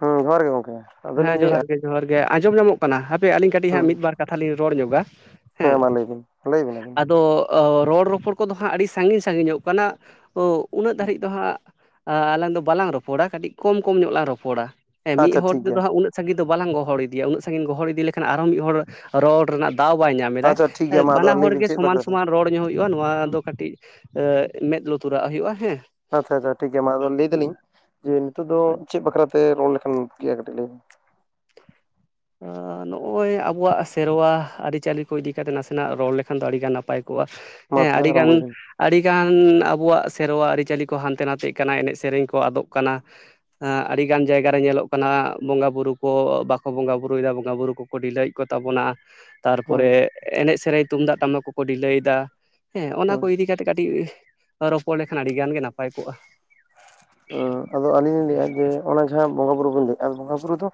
ᱦᱮᱸ ᱡᱚᱦᱟᱨ ᱜᱮ ᱜᱚᱝᱠᱮ ᱟᱫᱚᱞᱤᱧ ᱦᱮᱸ ᱡᱚᱦᱟᱨ ᱞᱟᱹᱭᱮᱜᱼᱟ ᱜᱮ ᱡᱚᱦᱟᱨ ᱜᱮ ᱟᱸᱡᱚᱢ ᱧᱟᱢᱚᱜ ᱠᱟᱱᱟ ᱦᱟᱯᱮ ᱟᱹᱞᱤᱧ ᱠᱟᱹᱴᱤᱡ ᱦᱮᱸ ᱦᱟᱸᱜ ᱢᱤᱫᱵᱟᱨ ᱠᱟᱛᱷᱟ ᱞᱤᱧ ᱨᱚᱲ ᱧᱚᱜᱟ᱾ ᱦᱮᱸ ᱢᱟ ᱞᱟᱹᱭ ᱵᱤᱱ ᱞᱟᱹᱭᱵᱤᱱ ᱟᱵᱤᱱ ᱜᱮ ᱚ, ᱨᱚᱲᱼ ᱨᱚᱯᱚᱲ ᱠᱚᱫᱚ ᱦᱟᱸᱜ ᱟᱹᱰᱤ ᱥᱟᱺᱜᱤᱧ ᱥᱟᱺᱜᱤᱧᱚᱜ ᱠᱟᱱᱟ ᱩᱱᱟᱹᱜ ᱫᱷᱟᱹᱨᱤᱡ ᱫᱚ ᱦᱟᱸᱜ ᱮᱸᱻ ᱟᱞᱟᱝ ᱫᱚ ᱵᱟᱞᱟᱝ ᱨᱚᱯᱚᱲᱟ ᱠᱟᱹᱴᱤᱡ ᱠᱚᱢ ᱠᱚᱢ ᱧᱚᱜ ᱞᱟᱝ ᱨᱚᱯᱚᱲᱟ ᱦᱮᱸ ᱢᱤᱫ ᱟᱪᱪᱷᱟ ᱦᱚᱲ ᱴᱷᱤᱠ ᱛᱮᱫᱚ ᱜᱮᱭᱟ ᱦᱟᱸᱜ ᱩᱱᱟᱹᱜ ᱥᱟᱹᱜᱤᱧ ᱫᱚ ᱵᱟᱞᱟᱝ ᱜᱚᱦᱚᱲ ᱤᱫᱤᱭᱟ ᱩᱱᱟᱹᱜ ᱥᱟᱸᱜᱤᱧ ᱜᱚᱦᱚᱲ ᱤᱫᱤ ᱞᱮᱠᱷᱟᱱ ᱟᱨᱦᱚᱸ ᱢᱤᱫ ᱦᱚᱲ ᱨᱚᱲ ᱨᱮᱱᱟᱜ ᱫᱟᱣ ᱵᱟᱭ ᱧᱟᱢᱮᱫᱟᱭ ᱟᱪᱪᱷᱟ ᱴᱷᱤᱠ ᱜᱮᱭᱟ ᱢᱟ ᱟᱫᱚ ᱵᱟᱱᱟ ᱞᱟᱹᱭ ᱦᱚᱲ ᱵᱤᱱ ᱜᱮ ᱪᱮᱫ ᱥᱚᱢᱟᱱ ᱵᱟᱠᱷᱨᱟᱛᱮ ᱥᱚᱢᱟᱱ ᱨᱚᱲ ᱧᱚᱜ ᱦᱩᱭᱩᱜᱼᱟ᱾ ᱱᱚᱣᱟ ᱫᱚ ᱠᱟᱹᱴᱤᱡ ᱢᱮᱸᱫ ᱞᱩᱛᱩᱨᱟᱜ ᱦᱩᱭᱩᱜᱼᱟ ᱦᱮᱸ᱾ ᱟᱪᱪᱷᱟ ᱟᱪᱪᱷᱟ ᱴᱷᱤᱠ ᱜᱮᱮᱭᱟ ᱢᱟ ᱟᱫᱚ ᱞᱟᱹᱭ ᱫᱟᱞᱤᱧ ᱡᱮ ᱱᱤᱛᱳᱜ ᱫᱚ ᱪᱮᱫ ᱵᱟᱠᱷᱨᱟᱛᱮ ᱨᱚᱲ ᱞᱮᱠᱷᱟᱱ ᱜᱮᱭᱟ ᱠᱟᱹᱴᱤᱡ ᱞᱟᱹᱭ ᱢᱮ᱾ ᱟᱸᱻ ᱱᱚᱜᱼᱚᱭ ᱟᱵᱚᱣᱟᱜ ᱥᱮᱨᱣᱟ ᱟᱹᱨᱤ-ᱪᱟᱹᱞᱤ ᱠᱚ ᱤᱫᱤ ᱠᱟᱛᱮ ᱱᱟᱥᱮᱱᱟᱜ ᱨᱚᱲ ᱞᱮᱠᱷᱟᱱ ᱫᱚ ᱟᱹᱰᱤᱜᱟᱱ ᱱᱟᱯᱟᱭ ᱠᱚᱜ ᱠᱚᱣᱟ ᱢᱟ ᱦᱮᱸ ᱛᱟᱦᱚᱞᱮ ᱟᱹᱰᱤᱜᱟᱱ ᱟᱨᱟᱢᱵᱚᱭ ᱵᱤᱱ ᱟᱹᱰᱤᱜᱟᱱ ᱟᱵᱚᱣᱟᱜ ᱥᱮᱨᱣᱟ ᱟᱹᱨᱤ-ᱪᱟᱹᱞᱤ ᱠᱚ ᱦᱟᱱᱛᱮ ᱱᱟᱛᱮᱜ ᱠᱟᱱᱟ ᱮᱱᱮᱡ ᱥᱮᱨᱮᱧ ᱠᱚ ᱟᱫᱚᱜ ᱠᱟᱱᱟ᱾ ᱮᱸᱜ ᱟᱹᱰᱤ ᱜᱟᱱ ᱡᱟᱭᱜᱟ ᱨᱮ ᱧᱮᱞᱚᱜ ᱠᱟᱱᱟ ᱵᱚᱸᱜᱟ ᱵᱩᱨᱩ ᱠᱚ ᱵᱟᱠᱚ ᱵᱚᱸᱜᱟ ᱵᱩᱨᱩ [unintelligible] ᱵᱚᱸᱜᱟ ᱵᱩᱨᱩ ᱠᱚᱠᱚ ᱷᱤᱞᱟᱹᱭ ᱠᱚᱛᱟᱵᱚᱱᱟ ᱦᱮᱸ ᱛᱟᱨᱯᱚᱨᱮ ᱮᱱᱮᱡ ᱥᱮᱨᱮᱧ ᱛᱩᱢᱫᱟᱜ ᱴᱟᱢᱟᱠ ᱠᱚᱠᱚ ᱰᱷᱤᱞᱟᱹᱭᱮᱫᱟ ᱦᱮᱸ ᱚᱱᱟ ᱠᱚ ᱤᱫᱤ ᱠᱟᱛᱮᱜ ᱠᱟᱹᱴᱤᱡ ᱨᱚᱯᱚᱲ ᱞᱮᱠᱷᱟᱱ ᱟᱹᱰᱤ ᱜᱟᱱ ᱜᱮ ᱱᱟᱯᱟᱭ ᱠᱚᱜᱼᱟ᱾ ᱟᱫᱚ ᱟᱹᱞᱤᱧ ᱞᱤᱧ ᱞᱟᱹᱭᱟ ᱡᱮ ᱚᱱᱟ ᱡᱟᱦᱟᱸ ᱵᱚᱸᱜᱟ ᱵᱩᱨᱩ ᱵᱮᱱ ᱞᱟᱹᱭᱮᱜ-ᱟ ᱵᱚᱸᱜᱟ ᱵᱩᱨᱩ ᱠᱟᱛᱷᱟ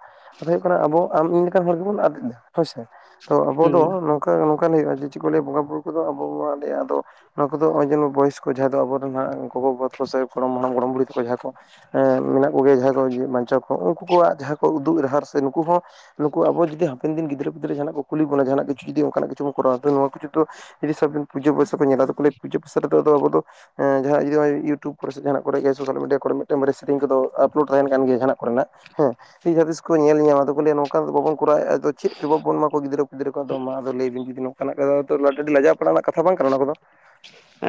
ᱦᱩᱭᱩᱜ ᱠᱟᱱᱟ ᱟᱵᱚ ᱟᱢ ᱤᱧ ᱞᱮᱠᱟᱱ ᱦᱚᱲ ᱜᱮᱵᱚᱱ ᱟᱫ ᱮᱫᱟ ᱦᱳᱭᱥᱮ ᱛᱚ ᱟᱵᱚ ᱦᱮᱸ ᱫᱚ ᱚᱱᱠᱟ ᱱᱚᱝᱠᱟᱱ ᱦᱩᱭᱩᱜᱼᱟ ᱡᱮ ᱪᱮᱫ ᱠᱚ ᱞᱭᱟ ᱵᱚᱸᱜᱟ ᱵᱩᱨᱩ ᱠᱚᱫᱚ ᱟᱚᱚᱱ ᱟᱞᱮᱭᱟ ᱟᱫᱚ᱾ ᱱᱚᱣᱟ ᱠᱚᱫᱚ ᱱᱚᱜᱼᱚᱭ ᱡᱮᱱᱚ ᱵᱚᱭᱚᱥ ᱠᱚ ᱡᱟᱦᱟᱸᱭ ᱫᱚ ᱟᱵᱚ ᱨᱮᱱ ᱜᱚᱜᱚ ᱵᱟᱵᱟ ᱛᱟᱠᱚ ᱥᱮ ᱜᱚᱲᱚᱢ ᱦᱟᱲᱟᱢ ᱜᱚᱲᱚᱢ ᱵᱩᱲᱦᱤᱟ ᱛᱟᱠᱚ ᱡᱟᱦᱟᱸ ᱠᱚ ᱢᱮᱱᱟᱜ ᱠᱚᱜᱮᱭᱟ ᱡᱟᱦᱟᱸᱭ ᱠᱚ ᱵᱟᱧᱪᱟᱣ ᱠᱚ ᱩᱱᱠᱩ ᱠᱚᱣᱟᱜ ᱡᱟᱦᱟᱸ ᱠᱚ ᱩᱫᱩᱜ ᱰᱟᱟᱦᱟᱨ ᱥᱮ ᱩᱝᱠᱩ ᱦᱚᱸ ᱱᱩᱠᱩ ᱟᱵᱚ ᱡᱩᱫᱤ ᱦᱟᱯᱮᱱ ᱫᱤᱱ ᱜᱤᱫᱽᱨᱟᱹ ᱯᱤᱫᱟᱨᱟᱹ ᱡᱟᱦᱟᱱᱟᱜ ᱠᱩᱞᱤ ᱵᱚ ᱡᱟᱦᱟᱱᱟᱜ ᱡᱩᱫᱤ ᱚᱝᱠᱟᱱᱟᱜ ᱠᱤᱪᱷᱩ ᱵᱚᱱ ᱠᱚᱨᱟᱣᱟ ᱛᱚ ᱱᱚᱣᱟ ᱠᱚ ᱡᱩᱜᱽ ᱫᱚ ᱡᱩᱫᱤ ᱥᱚᱵ ᱫᱤᱱ ᱯᱩᱡᱟᱹ ᱯᱟᱥᱟ ᱠᱚ ᱧᱮᱞᱟ ᱟᱫᱚ ᱠᱚ ᱯᱩᱡᱟᱹ ᱯᱟᱥᱟ ᱨᱮᱫᱚ ᱟᱵᱚ ᱫᱚ ᱮᱸ ᱡᱟᱦᱟᱸᱭᱟᱜ ᱡᱩᱫᱤ ᱚᱱᱟ ᱤᱭᱩᱴᱩᱵ ᱠᱚᱨᱮ ᱥᱮ ᱡᱟᱦᱟᱸᱱᱟᱜ ᱠᱚᱨᱮ ᱜᱮ ᱥᱳᱥᱟᱞ ᱢᱤᱰᱤᱭᱟ ᱠᱚ ᱨᱮ ᱢᱤᱫᱴᱮᱱ ᱢᱟᱨᱮ ᱥᱮᱨᱮᱧ ᱠᱚ ᱫᱚ ᱟᱯᱞᱳᱰ ᱛᱟᱦᱮᱸᱱ ᱠᱟᱱ ᱜᱮᱭᱟ ᱡᱟᱦᱟᱸᱱᱟᱜ ᱠᱚ ᱨᱮᱱᱟᱜ ᱦᱮᱸ ᱥᱮ ᱡᱟᱦᱟᱸᱛᱤᱥ ᱠᱚ ᱧᱮᱞ ᱧᱟᱢ ᱟᱫᱚ ᱠᱚ ᱞᱟᱹᱭᱟ ᱱᱚᱝᱠᱟ ᱫᱚ ᱵᱟᱵᱚᱱ ᱠᱚᱨᱟᱣᱮᱫ ᱟᱫᱚ ᱪᱮᱫ ᱪᱟᱵᱚᱱ ᱢᱟ ᱠᱚ ᱜᱤᱫᱽᱨᱟᱹ-ᱯᱤᱫᱽᱨᱟᱹ ᱠᱚ ᱟᱫᱚ ᱢᱟ ᱟᱫᱚ ᱞᱟᱹᱭ ᱵᱤᱱ ᱡᱩᱫᱤ ᱱᱚᱜ ᱪᱟᱞᱟᱜ ᱠᱟᱱᱟ ᱛᱚ ᱟᱹᱰᱤ ᱞᱟᱡᱟᱣ ᱯᱟᱲᱟᱜ ᱨᱮᱱᱟᱜ ᱠᱟᱛᱷᱟ ᱵᱟᱝ ᱠᱟᱱᱟ ᱚᱱᱟ ᱠᱚᱫᱚ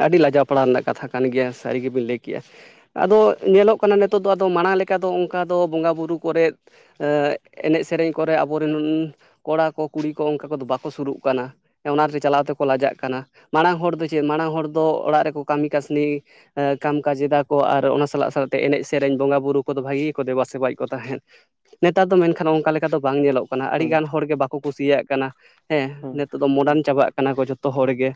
ᱟᱹᱰᱤ ᱞᱟᱡᱟᱣ ᱯᱟᱲᱟᱣ ᱨᱮᱱᱟᱜ ᱠᱟᱛᱷᱟ ᱠᱟᱱ ᱜᱮᱭᱟ ᱥᱟᱹᱨᱤ ᱜᱮᱵᱤᱱ ᱞᱟᱹᱭ ᱠᱮᱫᱮᱜᱼᱟ᱾ ᱟᱫᱚ ᱧᱮᱞᱚᱜ ᱠᱟᱱᱟ ᱱᱤᱛᱚᱜ ᱫᱚ ᱟᱫᱚ ᱢᱟᱲᱟᱝ ᱞᱮᱠᱟ ᱫᱚ ᱚᱝᱠᱟ ᱫᱚ ᱵᱚᱸᱜᱟᱼ ᱵᱩᱨᱩ ᱠᱚᱨᱮᱫ ᱮᱱᱮᱡ ᱥᱮᱨᱮᱧ ᱠᱚᱨᱮᱜ ᱟᱵᱚᱨᱮᱱ ᱠᱚᱲᱟ ᱠᱚ ᱠᱩᱲᱤ ᱠᱚ ᱚᱝᱠᱟ ᱠᱚᱫᱚ ᱵᱟᱠᱚ ᱥᱩᱨᱩᱜ ᱠᱟᱱᱟ᱾ ᱚᱱᱟᱨᱮ ᱪᱟᱞᱟᱣ ᱛᱮᱠᱚ ᱞᱟᱡᱟᱜ ᱠᱟᱱᱟ ᱢᱟᱲᱟᱝ ᱦᱚᱲ ᱫᱚ ᱪᱮᱫ ᱢᱟᱲᱟᱝ ᱦᱚᱲ ᱫᱚ ᱚᱲᱟᱜ ᱨᱮᱠᱚ ᱠᱟᱹᱢᱤ ᱠᱟᱹᱥᱱᱤ ᱠᱟᱢ ᱠᱟᱡ ᱮᱫᱟ ᱠᱚ ᱟᱨ ᱚᱱᱟ ᱥᱟᱞᱟᱜ ᱥᱟᱞᱟᱜᱛᱮ ᱮᱱᱮᱡ ᱥᱮᱨᱮᱧ ᱵᱚᱸᱜᱟᱼ ᱵᱩᱨᱩ ᱠᱚᱫᱚ ᱵᱷᱟᱜᱤ ᱜᱮᱠᱚ ᱫᱮᱵᱟᱼᱥᱮᱵᱟᱭᱮᱫ ᱠᱚ ᱛᱟᱦᱮᱸᱫ᱾ ᱱᱮᱛᱟᱨ ᱫᱚ ᱢᱮᱱᱠᱷᱟᱱ ᱚᱝᱠᱟ ᱞᱮᱠᱟ ᱫᱚ ᱵᱟᱝ ᱧᱮᱞᱚᱜ ᱠᱟᱱᱟ ᱦᱩᱸ ᱟᱹᱰᱤᱜᱟᱱ ᱦᱚᱲᱜ ᱵᱟᱠᱚ ᱠᱩᱥᱤᱭᱟᱜ ᱠᱟᱱᱟ ᱦᱮᱸ ᱦᱩᱸ ᱱᱤᱛᱚᱜ ᱫᱚ ᱦᱩᱸ ᱢᱚᱰᱟᱱ ᱪᱟᱵᱟᱜ ᱠᱟᱱᱟ ᱠᱚ ᱡᱚᱛᱚ ᱦᱚᱲ ᱜᱮ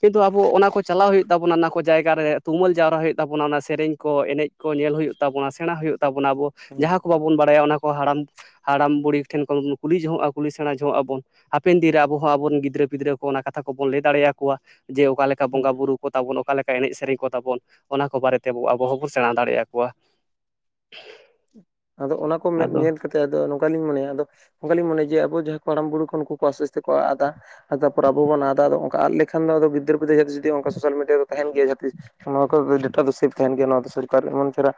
ᱠᱤᱱᱛᱩ ᱟᱵᱚ ᱚᱱᱟ ᱠᱚ ᱪᱟᱞᱟᱣ ᱦᱩᱭᱩᱜ ᱛᱟᱵᱚᱱᱟ ᱚᱱᱟ ᱠᱚ ᱡᱟᱭᱜᱟ ᱨᱮ ᱛᱩᱢᱟᱹᱞ ᱡᱟᱣᱨᱟ ᱦᱩᱭᱩᱜ ᱛᱟᱵᱚᱱᱟ᱾ ᱚᱱᱟ ᱥᱮᱨᱮᱧ ᱠᱚ ᱮᱱᱮᱡ ᱠᱚ ᱧᱮᱞ ᱦᱩᱭᱩᱜ ᱛᱟᱵᱚᱱᱟ ᱥᱮᱬᱟ ᱦᱩᱭᱩᱜ ᱛᱟᱵᱚᱱᱟ ᱟᱵᱚ ᱦᱩᱸ ᱡᱟᱦᱟᱸ ᱠᱚ ᱵᱟᱵᱚᱱ ᱵᱟᱲᱟᱭᱟ ᱚᱱᱟ ᱠᱚ ᱦᱟᱲᱟᱢ ᱦᱟᱲᱟᱢ- ᱵᱩᱲᱦᱤ ᱴᱷᱮᱱ ᱠᱷᱚᱱ ᱵᱚᱱ ᱠᱩᱞᱤ ᱡᱚᱚᱜᱼᱟ ᱠᱩᱞᱤ ᱥᱮᱬᱟ ᱡᱚᱝᱟᱜᱼᱟ ᱵᱚᱱ ᱦᱟᱯᱮᱱ ᱫᱤᱱ ᱨᱮ ᱟᱵᱚ ᱦᱚᱸ ᱟᱵᱚᱨ ᱨᱮᱱ ᱜᱤᱫᱽᱨᱟᱹ ᱯᱤᱫᱽᱨᱟᱹ ᱠᱚ ᱚᱱᱟ ᱠᱟᱛᱷᱟ ᱠᱚᱵᱚᱱ ᱞᱟᱹᱭ ᱫᱟᱲᱮᱭᱟᱠᱚᱣᱟ ᱡᱮ ᱚᱠᱟ ᱞᱮᱠᱟ ᱦᱩᱸ ᱵᱚᱸᱜᱟᱼ ᱵᱩᱨᱩ ᱠᱚ ᱛᱟᱵᱚᱱ ᱚᱠᱟ ᱞᱮᱠᱟ ᱮᱱᱮᱡ ᱥᱮᱨᱮᱧ ᱠᱚ ᱛᱟᱟᱵᱚᱱ ᱚᱱᱟ ᱠᱚ ᱵᱟᱨᱮᱛᱮ ᱟᱵᱚ ᱦᱚᱸᱵᱚᱱ ᱥᱮᱬᱟ ᱫᱟᱲᱮ ᱟᱠᱚᱣᱟ ᱟᱫᱚ ᱚᱱᱟ ᱠᱚ ᱢᱮ ᱟᱫᱚ ᱧᱮᱞ ᱠᱟᱛᱮ ᱟᱫᱚ ᱱᱚᱝᱠᱟ ᱞᱤᱧ ᱢᱚᱱᱮ ᱟᱫᱚ ᱱᱚᱝᱠᱟ ᱞᱤᱧ ᱢᱚᱱᱮᱭᱟ ᱡᱮ ᱟᱵᱚ ᱡᱟᱦᱟᱸᱭ ᱠᱚ ᱦᱟᱲᱟᱢ ᱵᱩᱬᱩ ᱠᱷᱚᱱ ᱩᱱᱠᱩ ᱠᱚ ᱯᱟᱥᱮᱥ ᱛᱮᱠᱩ ᱟᱲᱟ ᱫᱟ ᱾ ᱛᱟᱨᱯᱚᱨ ᱟᱵᱚ ᱵᱚᱱ ᱟᱫᱟ ᱟᱫᱚ ᱚᱝᱠᱟ ᱟᱫ ᱞᱮᱠᱷᱟᱱ ᱫᱚ ᱟᱫᱚ ᱜᱤᱫᱟᱹᱨ ᱯᱤᱫᱟᱹᱨ ᱡᱟᱦᱟᱸ ᱛᱤᱥ ᱡᱩᱫᱤ ᱚᱝᱠᱟ ᱥᱳᱥᱟᱞ ᱢᱤᱰᱤᱭᱟ ᱨᱮᱫᱚ ᱛᱟᱦᱮᱱ ᱜᱮᱭᱟ ᱡᱟᱦᱟᱸᱛᱤᱥ ᱱᱚᱣᱟ ᱠᱚ ᱰᱮᱴᱟ ᱫᱚ ᱥᱮᱯᱷ ᱛᱟᱦᱮᱱ ᱜᱮᱭᱟ ᱱᱚᱣᱟ ᱫᱚ ᱥᱚᱨᱠᱟᱨ ᱮᱢᱚᱱ ᱪᱮᱦᱨᱟ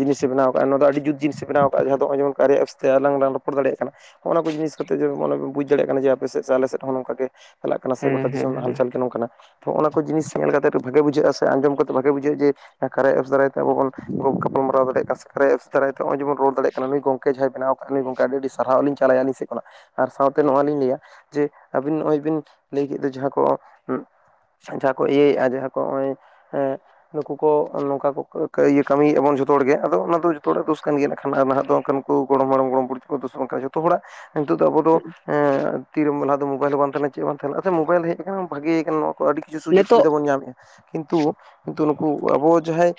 ᱡᱤᱱᱤᱥᱮ ᱵᱮᱱᱟᱣ ᱱᱚᱣᱟ ᱫᱚ ᱟᱹᱰᱤ ᱡᱩᱛ ᱡᱤᱱᱤᱥ ᱵᱮᱱᱟᱣᱟᱜᱼᱟ᱾ ᱡᱟᱦᱟᱸ ᱫᱚ ᱟᱸᱡᱚᱢᱠᱟᱜ ᱨᱮᱭᱟᱜ ᱩᱥᱛᱟᱹ ᱟᱞᱟᱝ ‌ᱞᱟᱝ ᱨᱚᱲ ᱫᱟᱲᱮᱭᱟᱜ ᱠᱟᱱᱟ᱾ ᱱᱚᱜ-ᱚ ᱱᱚᱣᱟ ᱠᱚ ᱡᱤᱱᱤᱥ ᱠᱟᱛᱮᱜᱮ ᱢᱟᱱᱮ ᱯᱮ ᱵᱩᱡᱽ ᱫᱮᱭᱟᱜ ᱠᱟᱱᱟ ᱡᱮ ᱟᱯᱮ ᱥᱮᱫ ᱥᱮ ᱟᱞᱮ ᱥᱮᱫ ᱦᱚᱸ ᱱᱚᱝᱠᱟ ᱜᱮ ᱪᱟᱞᱟᱜ ᱠᱟᱱᱟ ᱥᱮ ᱦᱮᱸ ᱜᱚᱴᱟ ᱦᱮᱸ ᱫᱤᱥᱚᱢ ᱦᱟᱞᱪᱟᱞ ᱜᱮ ᱱᱚᱝᱠᱟ ᱛᱚ ᱱᱚᱜ-ᱚᱱᱟ ᱠᱚ ᱡᱤᱱᱤᱥ ᱧᱮᱞ ᱠᱟᱛᱮ ᱵᱷᱟᱜᱮ ᱵᱩᱡᱷᱟᱹᱜᱼᱟ ᱥᱮ ᱟᱸᱡᱚᱢ ᱠᱟᱛᱮ ᱵᱷᱟᱜᱮ ᱵᱩᱡᱷᱟᱹᱜᱼᱟ ᱡᱮ ᱠᱟᱨᱭᱟ ᱮᱯᱥ ᱫᱟᱨᱟᱭᱛᱮ ᱟᱵᱚ ᱵᱚᱱ ᱜᱟᱯᱟᱞᱢᱟᱨᱟᱣ ᱫᱟᱲᱮᱭᱟᱜ ᱠᱟᱱᱟ ᱥᱮ ᱨᱮ ᱮᱥ ᱫᱟᱨᱟᱭ ᱛᱮ ᱦᱚᱸᱜ-ᱚᱭ ᱡᱮᱵᱚᱱ ᱨᱚᱲ ᱫᱟᱲᱮᱭᱟᱜ ᱠᱟᱱᱟ ᱱᱩᱭ ᱜᱚᱝᱠᱮ ᱡᱟᱦᱟᱸᱭ ᱵᱮᱱᱟᱣ ᱦᱳᱭ ᱜᱚᱝᱠᱮ ᱟᱹᱰᱤ ᱥᱟᱨᱦᱟᱣ ᱞᱤᱧ ᱪᱟᱞᱟᱭᱟ ᱟᱹᱞᱤᱧ ᱥᱮᱫ ᱠᱷᱚᱱᱟᱜ ᱟᱨ ᱥᱟᱶᱛᱮ ᱱᱚᱣᱟ ᱞᱤᱧ ᱞᱟᱹᱭᱟ ᱡᱮ ᱟᱹᱵᱤᱱ ᱱᱚᱜᱼᱚᱭ ᱵᱤᱱ ᱞᱟᱹᱭ ᱠᱮᱫ ᱫᱚ ᱡᱟᱦᱟᱸ ᱠᱚ ᱡᱟᱦᱟᱸ ᱠᱚ ᱤᱭᱟᱹᱭᱮᱜᱼᱟ ᱡᱟᱦᱟᱸ ᱠᱚ ᱱᱚᱜᱼᱚᱭ ᱦᱮᱸ ᱱᱩᱠᱩ ᱠᱚ ᱱᱚᱝᱠᱟ ᱠᱚᱤᱡᱟᱹ ᱠᱟᱹᱢᱤᱭᱮᱜᱼᱟ ᱵᱚᱱ ᱡᱷᱚᱛᱚ ᱦᱚᱲᱜᱮ ᱟᱫᱚ ᱚᱱᱟ ᱫᱚ ᱡᱚᱛᱚ ᱦᱚᱲᱟᱜ ᱫᱳᱥ ᱠᱟᱱ ᱜᱮᱭᱟ ᱮᱠᱷᱟᱱ ᱱᱟᱦᱟᱜ ᱫᱚ ᱚᱱᱠᱟᱱ ᱠᱚ ᱜᱚᱲᱚᱢ ᱟᱲᱚᱢ ᱜᱚᱲᱚᱢ ᱵᱩᱲᱦᱤ ᱠᱚ ᱫᱳᱥ ᱵᱟᱝ ᱠᱟᱱᱟ ᱡᱚᱛᱚ ᱦᱚᱲᱟᱜ ᱱᱤᱛᱚᱜ ᱫᱚ ᱟᱵᱚ ᱫᱚ ᱦᱮᱸ ᱛᱤᱨᱮᱢᱟ ᱞᱟᱦᱟ ᱫᱚ ᱢᱳᱵᱟᱭᱤᱞ ᱦᱚᱸ ᱵᱟᱝ ᱛᱟᱦᱮ ᱞᱮᱱᱟ ᱪᱮᱫ ᱵᱟᱝ ᱛᱟᱦᱮᱞ ᱮᱱᱟ ᱟ ᱢᱳᱵᱟᱭᱤᱞ ᱦᱮᱡ ᱟᱠᱟᱱᱟ ᱵᱷᱟᱜᱤ ᱠᱟᱱᱟ ᱟᱹᱰᱤ ᱠᱤᱪᱷᱩ ᱥᱩᱡᱳᱜ ᱱᱤᱛᱚᱜ ᱥᱩᱵᱤᱫᱟ ᱵᱚᱱ ᱧᱟᱢᱮᱜᱼᱟ ᱠᱤᱱᱛᱩ ᱠᱤᱱᱛᱩ ᱱᱩᱠᱩ ᱟᱵᱚ ᱡᱟᱦᱟᱸᱭ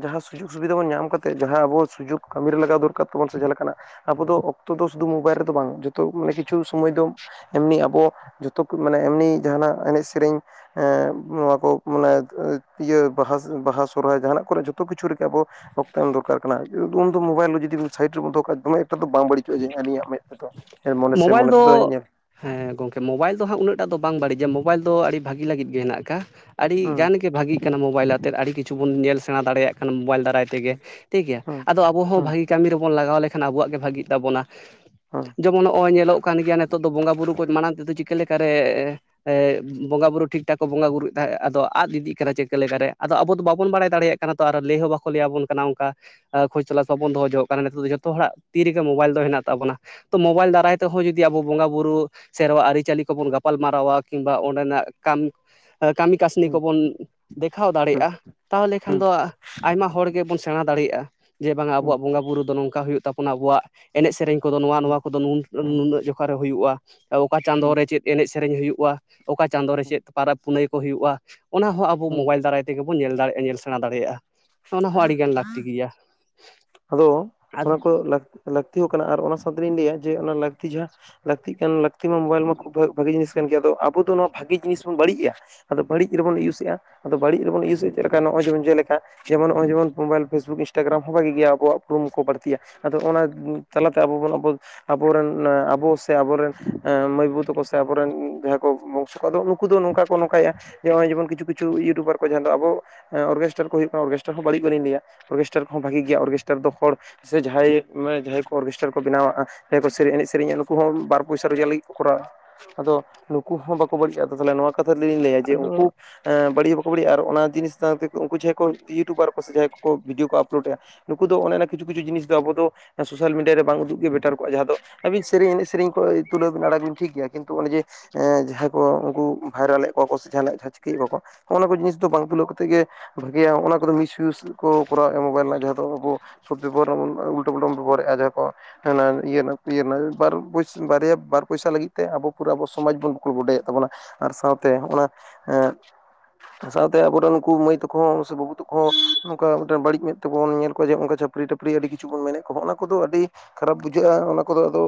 ᱡᱟᱦᱟᱸ ᱥᱩᱡᱳᱜᱽ ᱥᱩᱵᱤᱫᱷᱟ ᱵᱚᱱ ᱧᱟᱢ ᱠᱟᱛᱮᱫ ᱡᱟᱦᱟᱸ ᱟᱵᱚ ᱥᱩᱡᱳᱜᱽ ᱠᱟᱹᱢᱤ ᱨᱮ ᱞᱟᱜᱟᱣ ᱫᱚᱨᱠᱟᱨ ᱛᱟᱵᱚᱱ ᱥᱮ ᱡᱟᱦᱟᱸ ᱞᱮᱠᱟᱱᱟᱜ ᱟᱵᱚ ᱫᱚ ᱚᱠᱛᱚ ᱫᱚ ᱥᱩᱫᱩ ᱢᱳᱵᱟᱭᱤᱞ ᱨᱮᱫᱚ ᱵᱟᱝ ᱡᱚᱛᱚ ᱚᱱᱮ ᱠᱤᱪᱷᱩ ᱥᱚᱢᱚᱭ ᱫᱚ ᱮᱢᱱᱤ ᱟᱵᱚ ᱡᱚᱛᱚ ᱠᱚ ᱢᱟᱱᱮ ᱮᱢᱱᱤ ᱡᱟᱦᱟᱱᱟᱜ ᱮᱱᱮᱡ ᱥᱮᱨᱮᱧ ᱦᱮᱸ ᱱᱚᱣᱟ ᱠᱚ ᱢᱟᱱᱮ, ᱤᱭᱟᱹ ᱵᱟᱦᱟ ᱵᱟᱦᱟ ᱥᱚᱨᱚᱦᱟᱭ ᱡᱟᱦᱟᱱᱟᱜ ᱠᱚᱨᱮ ᱡᱚᱛᱚ ᱡᱚᱛᱚ ᱠᱤᱪᱷᱩ ᱨᱮ ᱜᱮ ᱟᱵᱚ ᱚᱠᱛᱚ ᱮᱢ ᱩᱱ ᱫᱚ ᱢᱳᱵᱟᱭᱤᱞ ᱨᱮ ᱡᱩᱫᱤ ᱥᱟᱭᱤᱴ ᱨᱮ ᱦᱮ ᱩᱱᱫᱚ ᱢᱚᱵᱟᱭᱤᱞ ᱫᱚ ᱡᱩᱫᱤ ᱥᱟᱭᱤᱰ ᱨᱮᱵᱚ ᱫᱚᱦᱚ ᱠᱟ ᱫᱚᱢᱮ ᱮᱠᱴᱟ ᱫᱚ ᱵᱟᱝ ᱵᱟᱹᱲᱤᱡᱚᱜᱼᱟ ᱡᱮ ᱟᱹᱞᱤᱧᱟᱜ ᱢᱮᱫ ᱛᱮᱫᱚ ᱦᱮᱸ ᱢᱚᱱᱮ ᱥᱮ ᱢᱳᱵᱟᱭᱤᱞ ᱢᱚᱱᱮ ᱫᱚ ᱛᱮᱫᱚ ᱧᱮᱞ ᱦᱮᱸ ᱜᱚᱝᱠᱮ ᱢᱳᱵᱟᱭᱤᱞ ᱫᱚ ᱦᱟᱸᱜ ᱩᱱᱟᱹᱜ ᱴᱟᱜ ᱫᱚ ᱵᱟᱝ ᱵᱟᱹᱲᱤᱡ ᱜᱮ ᱢᱳᱵᱟᱭᱤᱞ ᱫᱚ ᱟᱹᱰᱤ ᱵᱷᱟᱹᱜᱤ ᱞᱟᱹᱜᱤᱫ ᱜᱮ ᱦᱮᱱᱟᱜ ᱟᱠᱟᱼᱟ ᱟᱹᱰᱤ ᱦᱩᱸ ᱜᱟᱱ ᱜᱮ ᱵᱷᱟᱜᱤ ᱠᱟᱱᱟ ᱢᱳᱵᱟᱭᱤᱞ ᱟᱛᱮᱫ ᱟᱹᱰᱤ ᱠᱤᱪᱷᱩ ᱵᱚᱱ ᱧᱮᱞ ᱥᱮᱬᱟ ᱫᱟᱲᱮᱭᱟᱜ ᱠᱟᱱᱟ ᱢᱳᱵᱟᱭᱤᱞ ᱫᱟᱨᱟᱡ ᱛᱮ ᱛᱮᱜᱮ ᱦᱩᱸ ᱴᱷᱤᱠ ᱜᱮᱭᱟ ᱦᱩᱸ ᱟᱫᱚ ᱟᱵᱚ ᱦᱚᱸ ᱵᱷᱟᱹᱜᱤ ᱠᱟᱹᱢᱤ ᱨᱮᱵᱚᱱ ᱞᱟᱜᱟᱣ ᱞᱮᱠᱷᱟᱱ ᱟᱵᱚᱣᱟᱜ ᱜᱮ ᱵᱷᱟᱜᱤ ᱛᱟᱵᱚᱱᱟ ᱦᱚᱸ ᱡᱮᱢᱚᱱ ᱱᱚᱜᱼᱚᱭ ᱧᱮᱞᱚᱜ ᱠᱟᱱ ᱜᱮᱭᱟ ᱱᱤᱛᱚᱜ ᱫᱚ ᱵᱚᱸᱜᱟᱼᱵᱩᱨᱩ ᱠᱚ ᱢᱟᱲᱟᱝ ᱛᱮᱫᱚ ᱪᱤᱠᱟᱹ ᱞᱮᱠᱟ ᱨᱮ ᱵᱚᱸᱜᱟ ᱵᱩᱨᱩ ᱴᱷᱤᱠ ᱴᱷᱟᱠ ᱠᱚ ᱵᱚᱸᱜᱟ ᱵᱩᱨᱩᱭᱮᱫ ᱛᱟᱦᱮᱸ ᱟᱫᱚ ᱟᱫ ᱤᱫᱤᱜ ᱠᱟᱱᱟ ᱪᱤᱠᱟᱹ ᱞᱮᱠᱟ ᱨᱮ ᱟᱫᱚ ᱟᱵᱚ ᱫᱚ ᱵᱟᱵᱚᱱ ᱵᱟᱲᱟᱭ ᱫᱟᱲᱮᱭᱟᱜ ᱠᱟᱱᱟ ᱛᱚ ᱟᱨ ᱞᱟᱹᱭ ᱦᱚᱸ ᱵᱟᱠᱚ ᱞᱟᱹᱭ ᱟᱵᱚᱱ ᱠᱟᱱᱟ ᱚᱱᱠᱟ ᱠᱷᱚᱡᱽ ᱛᱚᱞᱟᱥ ᱵᱟᱵᱚᱱ ᱫᱚᱦᱚ ᱡᱚᱝᱼᱚᱜ ᱠᱟᱱᱟ ᱱᱤᱛᱚᱜ ᱫᱚ ᱡᱚᱛᱚ ᱦᱚᱲᱟᱜ ᱛᱤᱨᱮ ᱜᱮ ᱢᱳᱵᱟᱭᱤᱞ ᱦᱮᱱᱟᱜ ᱛᱟᱵᱚᱱᱟ ᱛᱚ ᱢᱳᱵᱟᱭᱤᱞ ᱫᱟᱨᱟᱭ ᱛᱮᱦᱚᱸ ᱡᱩᱫᱤ ᱟᱵᱚ ᱵᱚᱸᱜᱟ ᱵᱩᱨᱩ ᱥᱮᱨᱣᱟ ᱟᱹᱨᱤᱪᱟᱹᱞᱤ ᱠᱚᱵᱚᱱ ᱜᱟᱯᱟᱞ ᱢᱟᱨᱟᱣᱟ ᱠᱤᱱᱵᱟ ᱚᱸᱰᱮ ᱱᱟᱜ ᱠᱟᱢ ᱠᱟᱹᱢᱤ ᱠᱟᱹᱥᱱᱤ ᱦᱩᱸ ᱠᱚᱵᱚᱱ ᱫᱮᱠᱷᱟᱣ ᱦᱩᱸ ᱦᱩᱸ ᱫᱟᱲᱮᱭᱟᱜᱼᱟ ᱛᱟᱦᱚᱞᱮ ᱠᱷᱟᱱ ᱫᱚ ᱟᱭᱢᱟ ᱦᱚᱲ ᱜᱮᱵᱚᱱ ᱥᱮᱬᱟ ᱫᱟᱲᱮᱭᱟᱜᱼᱟ ᱡᱮ ᱵᱟᱝᱟ ᱦᱩᱸ ᱟᱵᱚᱣᱟᱜ ᱵᱚᱸᱜᱟ ᱵᱩᱨᱩ ᱫᱚ ᱱᱚᱝᱠᱟ ᱦᱩᱭᱩᱜ ᱛᱟᱵᱚᱱᱟ ᱟᱵᱚᱣᱟᱜ ᱾ ᱮᱱᱮᱡ ᱥᱮᱨᱮᱧ ᱠᱚᱫᱚ ᱱᱚᱣᱟ ᱦᱩᱸ ᱱᱚᱣᱟ ᱠᱚᱫᱚ ᱦᱩᱸ ᱱᱩᱱᱟᱹᱜ ᱡᱚᱠᱷᱟ ᱨᱮ ᱦᱩᱭᱩᱜᱼᱟ ᱚᱠᱟ ᱪᱟᱸᱫᱳ ᱦᱩᱸ ᱨᱮ ᱪᱮᱫ? ᱮᱱᱮᱡ ᱥᱮᱨᱮᱧ ᱦᱩᱭᱩᱜᱼᱟ ᱚᱠᱟ ᱪᱟᱸᱫᱳ ᱨᱮ ᱦᱩᱸ ᱪᱮᱫ ᱯᱟᱨᱟᱵᱽ ᱯᱩᱱᱟᱹᱭ ᱠᱚ ᱦᱩᱭᱩᱜᱼᱟ ᱚᱱᱟ ᱦᱚᱸ ᱟᱵᱚ ᱦᱩᱸ ᱢᱳᱵᱟᱭᱤᱞ ᱫᱟᱨᱟᱡ ᱛᱮᱜᱮ ᱵᱚᱱ ᱧᱮᱞ ᱫᱟᱲᱮᱭᱟᱜ ᱧᱮᱞ ᱥᱮᱬᱟ ᱫᱟᱲᱮᱭᱟᱜᱼᱟ ᱚᱱᱟ ᱦᱚᱸ ᱟᱹᱰᱤ ᱜᱟᱱ ᱞᱟᱹᱠᱛᱤ ᱜᱮᱭᱟ ᱟᱫᱚ ᱚᱱᱟ ᱠᱚ ᱞᱟᱹᱠ ᱞᱟᱹᱠᱛᱤ ᱦᱚᱸ ᱠᱟᱱᱟ ᱟᱨ ᱚᱱᱟ ᱥᱟᱶᱛᱮ ᱞᱤᱧ ᱞᱟᱹᱭᱟ ᱡᱮ ᱚᱱᱟ ᱞᱟᱹᱠᱛᱤ ᱡᱟᱦᱟᱸ ᱞᱟᱹᱠᱛᱤ ᱠᱟᱱ ᱞᱟᱹᱠᱛᱤ ᱢᱟ ᱢᱳᱵᱟᱭᱤᱞ ᱢᱟ ᱠᱷᱩᱵ ᱵᱷᱟᱜᱤ ᱡᱤᱱᱤᱥ ᱠᱟᱱ ᱜᱮᱭᱟ ᱟᱵᱚ ᱫᱚ ᱱᱚᱣᱟ ᱵᱷᱟᱜᱤ ᱡᱤᱱᱤᱥ ᱵᱚᱱ ᱵᱟᱹᱲᱤᱡᱮᱜᱼᱟ ᱾ ᱟᱫᱚ ᱵᱟᱹᱲᱤᱡ ᱨᱮᱵᱚᱱ ᱤᱭᱩᱥ ᱮᱫᱼᱟ ᱟᱫᱚ ᱵᱟᱹᱲᱤᱡ ᱨᱮᱵᱚᱱ ᱤᱭᱩᱡ ᱮᱫ ᱪᱮᱫ ᱞᱮᱠᱟ ᱱᱚᱜᱼᱚᱭ ᱡᱮᱚᱱ ᱡᱮ ᱞᱮᱠᱟ ᱡᱮᱢᱚᱱ ᱱᱚᱜᱼᱚᱭ ᱡᱮᱚᱱ ᱢᱳᱵᱟᱭᱤᱞ ᱯᱷᱮᱥᱵᱩᱠ ᱤᱱᱫᱴᱨᱜᱨᱟᱡᱱ ᱦᱚᱸ ᱵᱷᱟᱜᱤ ᱜᱮᱭᱟ ᱟᱵᱚᱣᱟᱜ ᱩᱯᱨᱩᱢ ᱠᱚ ᱵᱟᱹᱲᱛᱤᱭᱟ ᱟᱫᱚ ᱚᱱᱟ ᱛᱟᱞᱟᱛᱮ ᱟᱵᱚ ᱵᱚᱱ ᱟᱵᱚ ᱟᱵᱚᱨᱮᱱ ᱟᱵᱚ ᱥᱮ ᱟᱵᱚᱨᱮᱱ ᱢᱟᱹᱭ ᱵᱟᱹᱩ ᱛᱟᱠᱚ ᱥᱮ ᱟᱵᱚ ᱨᱮᱱ ᱡᱟᱦᱟᱸᱭ ᱠᱚ ᱵᱚᱝᱥᱚ ᱠᱚᱫ ᱫᱚ ᱩᱱᱠᱩ ᱫᱚ ᱱᱚᱝᱠᱟ ᱱᱚᱝᱠᱟᱭᱮᱡᱜᱼᱟ, ᱡᱮ ᱠᱪᱷᱩ ᱠᱤᱪᱷᱩ ᱤᱭᱩᱴᱩᱵᱟᱨ ᱠᱚ ᱡᱟᱦᱟᱸ ᱫᱚ ᱟᱵᱚ ᱚᱨᱜᱮᱥᱴᱟᱨ ᱠᱚ ᱦᱩᱭᱩᱜ ᱠᱟᱱᱟ ᱚᱨᱜᱮᱥᱴᱟᱨ ᱦᱚᱸ ᱵᱟᱹᱲᱤᱡ ᱵᱟᱝ ᱞᱤᱧ ᱞᱟ. ᱭᱟ ᱚᱨᱜᱮᱥᱴᱟᱨ ᱠᱚᱦᱚᱸ ᱵᱷᱟᱹᱜᱤ ᱜᱮᱭᱟ ᱚᱨᱜᱮᱥᱴᱟᱨ ᱫᱚ ᱦᱚᱲ ᱥᱮ ᱡᱟᱦᱟᱸᱭ ᱡᱟᱦᱟᱸᱭ ᱠᱚ ᱚᱨᱜᱮᱥᱴᱨᱟ ᱠᱚ ᱵᱮᱱᱟᱣᱟᱜᱼᱟ [inaudible] ᱮᱱᱮᱡ ᱥᱮᱨᱮᱧ ᱟ ᱱᱩᱠᱩ ᱦᱚᱸ ᱵᱟᱨ ᱯᱩᱭᱥᱟ ᱨᱳᱡᱜᱟᱨ ᱞᱟᱹᱜᱤᱫ ᱠᱚ ᱠᱚᱨᱟᱣᱟ ᱟᱫᱚ ᱱᱩᱠᱩ ᱦᱚᱸ ᱵᱟᱠᱚ ᱵᱟᱹᱲᱤᱡᱼᱟ ᱛᱟᱦᱚᱞᱮ ᱱᱚᱣᱟ ᱠᱟᱛᱷᱟ ᱛᱮᱞᱤᱧ ᱞᱟᱹᱭᱟ ᱡᱮ ᱟᱫᱚ ᱩᱱᱠᱩ ᱦᱮᱸ ᱵᱟᱹᱲᱤᱡ ᱦᱚᱸ ᱵᱟᱠᱚ ᱵᱟᱹᱲᱤᱡᱼᱟ ᱟᱨ ᱚᱱᱟ ᱡᱤᱱᱤᱥ ᱥᱟᱶᱛᱮ ᱠᱚ ᱩᱱᱠᱩ ᱡᱟᱦᱟᱸᱭ ᱠᱚ ᱤᱭᱩᱴᱩᱵᱟᱨ ᱠᱚ ᱥᱮ ᱡᱟᱦᱟᱸᱭ ᱠᱚ ᱵᱷᱤᱰᱭᱳ ᱠᱚ ᱟᱯᱞᱳᱰ ᱮᱜᱼᱟ ᱱᱩᱠᱩ ᱫᱚ ᱚᱱᱮ ᱚᱱᱟ ᱠᱤᱪᱷᱩ ᱠᱤᱪᱷᱩ ᱡᱤᱱᱤᱥ ᱫᱚ ᱟᱵᱚ ᱫᱚ ᱥᱳᱥᱟᱞ ᱢᱤᱰᱤᱭᱟ ᱨᱮ ᱵᱟᱝ ᱩᱫᱩᱜ ᱜᱮ ᱵᱮᱴᱟᱨ ᱠᱚᱜᱼᱟ ᱡᱟᱦᱟᱸ ᱫᱚ ᱟᱹᱵᱤᱱ ᱥᱮᱨᱮᱧ ᱮᱱᱮᱡ ᱥᱮᱨᱮᱧ ᱠᱚ ᱛᱩᱞᱟᱹᱣ ᱵᱤᱱ ᱟᱲᱟᱜ ᱵᱤᱱ ᱴᱷᱤᱠ ᱜᱮᱭᱟ ᱠᱤᱱᱛᱩ ᱚᱱᱮ ᱡᱮ ᱦᱮ ᱡᱟᱦᱟᱸᱭ ᱠᱚ ᱩᱱᱠᱩ ᱵᱷᱟᱭᱨᱟᱞ ᱮᱫ ᱠᱚᱣᱟ ᱠᱚ ᱥᱮ ᱡᱟᱦᱟᱱᱟᱜ ᱡᱟᱦᱟᱸ ᱪᱤᱠᱟᱹᱭᱮᱫ ᱠᱚᱣᱟ ᱠᱚ ᱦᱚᱜ-ᱱᱟ ᱠᱚ ᱡᱤᱱᱤᱥ ᱫᱚ ᱵᱟᱝ ᱛᱩᱞᱟᱹᱣ ᱠᱟᱛᱮ ᱜᱮ ᱵᱷᱟᱜᱤᱭᱟ ᱚᱱᱟ ᱠᱚᱫᱚ ᱢᱤᱥᱤᱭᱩᱥ ᱠᱚ ᱠᱚᱨᱟᱣᱮᱜᱼᱟ ᱢᱳᱵᱟᱭᱤᱞ ᱨᱮᱱᱟᱜ ᱡᱟᱦᱟᱸ ᱛᱚ ᱟᱵᱚ ᱥᱚᱵ [unintelligible] ᱩᱞᱴᱟ ᱯᱷᱩᱞᱴᱟᱢ ᱵᱮᱵᱚᱦᱟᱨ ᱨᱮ ᱡᱟᱦᱟᱸ ᱠᱚ ᱦᱮᱸ ᱤᱛᱟᱹ ᱱᱟᱜ ᱵᱟᱨᱭᱟ ᱵᱟᱨ ᱯᱚᱭᱥᱟ ᱞᱟᱹᱜᱤᱫ ᱛᱮ ᱟᱵᱚ ᱯᱩᱨᱟᱹ ᱟᱵᱚ ᱥᱚᱢᱟᱡᱽ ᱵᱚᱱ ᱵᱲᱠᱚᱞ ᱰᱚᱰᱮᱭᱮᱫ ᱛᱟᱵᱚᱱᱟ ᱟᱨ ᱥᱟᱶᱛᱮ ᱦᱚᱜ-ᱱᱟ ᱥᱟᱶᱛᱮ ᱟᱵᱚᱨᱮᱱ ᱩᱱᱠᱩ ᱢᱟᱹᱭ ᱛᱟᱠᱚ ᱦᱚᱸ ᱥᱮ ᱵᱟᱹᱵᱩ ᱦᱚᱸ ᱱᱚᱝᱠᱟ ᱵᱟᱹᱲᱤᱡ ᱢᱮᱫ ᱛᱮᱵᱚᱱ ᱧᱮᱞ ᱚᱱᱠᱟ ᱪᱷᱟᱹᱯᱨᱤ-ᱴᱟᱹᱯᱨᱤ ᱟᱹᱰᱤ ᱠᱤᱪᱷᱩ ᱵᱚᱱ ᱢᱮᱱᱮᱫ ᱠᱚ ᱚᱱᱟ ᱠᱚᱫᱚ ᱟᱹᱰᱤ ᱠᱷᱟᱨᱟᱯ ᱵᱩᱡᱷᱟᱹᱜᱼᱟ ᱚᱱᱟ ᱠᱚᱫᱚ ᱟᱫᱚ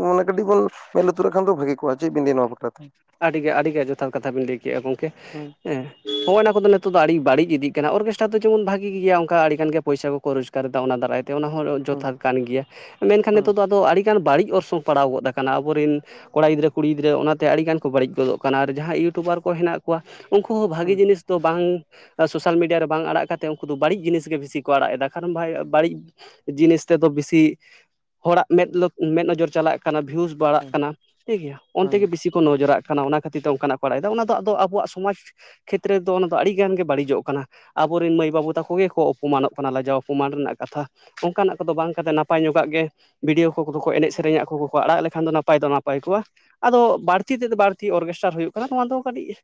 ᱢᱟᱱᱮ ᱠᱟᱹᱴᱤᱡ ᱵᱚᱱ ᱢᱮᱸᱫ ᱞᱩᱛᱩᱨᱟᱜ ᱠᱷᱟᱱ ᱫᱚ ᱵᱷᱟᱹᱜᱤ ᱠᱚᱜᱼᱟ ᱪᱮᱫ ᱵᱤᱱ ᱞᱟᱹᱭᱟ ᱱᱚᱣᱟ ᱵᱟᱠᱷᱨᱟᱛᱮ? ᱟᱹᱰᱤ ᱜᱮ ᱟᱹᱰᱤ ᱜᱮ ᱡᱚᱛᱷᱟᱛ ᱠᱟᱛᱷᱟ ᱵᱤᱱ ᱞᱟᱹᱭ ᱠᱮᱜᱼᱟ ᱜᱚᱝᱠᱮ ᱦᱩᱸ ᱦᱮᱸ ᱦᱚᱸᱜᱼᱚᱭ ᱱᱚᱣᱟ ᱠᱚᱫᱚ ᱱᱤᱛᱚᱜ ᱫᱚ ᱟᱹᱰᱤ ᱵᱟᱹᱲᱤᱡ ᱤᱫᱤᱜ ᱠᱟᱱᱟ ᱚᱨᱠᱮᱥᱴᱟᱨ ᱫᱚ ᱡᱮᱢᱚᱱ ᱵᱷᱟᱜᱤ ᱜᱮᱭᱟ ᱚᱱᱠᱟ ᱟᱹᱰᱤ ᱜᱟᱱ ᱜᱮ ᱯᱚᱭᱥᱟ ᱠᱚᱠᱚ ᱨᱚᱡᱽ ᱱᱮᱛᱟᱨ ᱫᱚ ᱚᱱᱟ ᱫᱟᱨᱟᱭ ᱛᱮ ᱚᱱᱟ ᱦᱚᱸ ᱦᱩᱸ ᱡᱚᱛᱷᱟᱛ ᱠᱟᱱ ᱜᱮᱭᱟ ᱢᱮᱱ ᱠᱷᱟᱱ ᱦᱩᱸ ᱱᱤᱛᱚᱜ ᱫᱚ ᱟᱫᱚ ᱟᱹᱰᱤ ᱟᱹᱰᱤᱜᱟᱱ ᱵᱟᱹᱲᱤᱡ ᱚᱨᱥᱚᱝ ᱯᱟᱲᱟᱣ ᱜᱚᱫ ᱟᱠᱟᱱᱟ ᱟᱵᱚᱨᱮᱱ ᱠᱚᱲᱟ ᱜᱤᱫᱽᱨᱟᱹ ᱠᱩᱲᱤ ᱜᱤᱫᱽᱨᱟᱹ ᱚᱱᱟᱛᱮ ᱟᱹᱰᱤ ᱜᱟᱱ ᱵᱟᱹᱲᱤᱡ ᱜᱚᱫᱚᱜ ᱠᱟᱱᱟ ᱟᱨ ᱡᱟᱦᱟᱸ ᱤᱭᱩᱴᱩᱵᱟᱨ ᱠᱚ ᱦᱮᱸᱱᱟᱜ ᱠᱚᱣᱟ ᱩᱱᱠᱩ ᱦᱚᱸ ᱵᱷᱟᱜᱤ ᱦᱩᱸ ᱡᱤᱱᱤᱥ ᱫᱚ ᱵᱟᱝ ᱥᱳᱥᱟᱞ ᱢᱤᱰᱤᱭᱟ ᱨᱮ ᱵᱟᱝ ᱟᱲᱟᱜ ᱠᱟᱛᱮ ᱩᱱᱠᱩ ᱫᱚ ᱵᱟᱹᱲᱤᱡ ᱡᱤᱱᱤᱥ ᱜᱮ ᱵᱮᱥᱤ ᱠᱚ ᱟᱲᱟᱜ ᱮᱫᱟ ᱠᱟᱨᱚᱱ ᱵᱷᱟᱭ ᱵᱟᱹᱲᱤᱡ ᱡᱤᱱᱤᱥ ᱛᱮᱫᱚ ᱵᱤᱥᱤ ᱦᱚᱲᱟᱜ ᱢᱮᱫ ᱢᱮᱫ ᱱᱚᱡᱚᱨ ᱪᱟᱞᱟᱜ ᱚᱱᱟ ᱵᱷᱤᱣᱩᱥ ᱵᱟᱲᱟᱜ ᱠᱟᱱᱟ ᱴᱷᱤᱠ ᱜᱮᱭᱟ ᱚᱱᱛᱮ ᱦᱩᱸ ᱜᱮ ᱵᱤᱥᱤ ᱠᱚ ᱱᱚᱡᱚᱨᱟᱜ ᱠᱟᱱᱟ ᱠᱟᱱᱟ ᱚᱱᱟ ᱠᱷᱟᱹᱛᱤᱨ ᱛᱮ ᱚᱱᱠᱟᱱᱟᱜ ᱠᱚ ᱟᱲᱟᱜ ᱮᱫᱟ ᱚᱱᱟ ᱫᱚ ᱟᱫᱚ ᱟᱵᱚᱣᱟᱜ ᱥᱚᱢᱟᱡᱽ ᱠᱷᱮᱛᱨᱮ ᱫᱚ ᱚᱱᱟ ᱫᱚ ᱟᱹᱰᱤ ᱜᱟᱱ ᱜᱮ ᱵᱟᱹᱲᱤᱡᱚᱜ ᱠᱟᱱᱟ ᱟᱵᱚᱨᱮᱱ ᱢᱟᱹᱭ ᱵᱟᱹᱵᱩ ᱛᱟᱠᱚ ᱜᱮᱠᱚ ᱚᱯᱚᱢᱟᱱᱚᱜ ᱠᱟᱱᱟ ᱞᱟᱡᱟᱣ ᱚᱯᱚᱢᱟᱱ ᱨᱮᱱᱟᱜ ᱠᱟᱛᱷᱟ ᱚᱱᱠᱟᱱᱟᱜ ᱠᱚᱫᱚ ᱵᱟᱝ ᱠᱟᱛᱮ ᱱᱟᱯᱟᱭ ᱧᱚᱜᱟᱜ ᱜᱮ ᱵᱷᱤᱰᱤᱭᱳ ᱠᱚᱫᱚ ᱠᱚ ᱮᱱᱮᱡ ᱥᱮᱨᱮᱧ ᱟᱠᱚ ᱠᱚᱠᱚ ᱟᱲᱟᱜ ᱞᱮᱠᱷᱟᱱ ᱫᱚ ᱱᱟᱯᱟᱭ ᱫᱚ ᱱᱟᱯᱟᱭ ᱠᱚᱜᱼᱟ ᱟᱫᱚ ᱵᱟᱹᱲᱛᱤ ᱛᱮᱫᱚ ᱵᱟᱲ ᱛᱤ ᱚᱨᱜᱮᱥᱴᱟᱨ ᱦᱩᱭᱩᱜ ᱠᱟᱱᱟ ᱱᱚᱣᱟ ᱫᱚ ᱠᱟᱹᱴᱤᱡ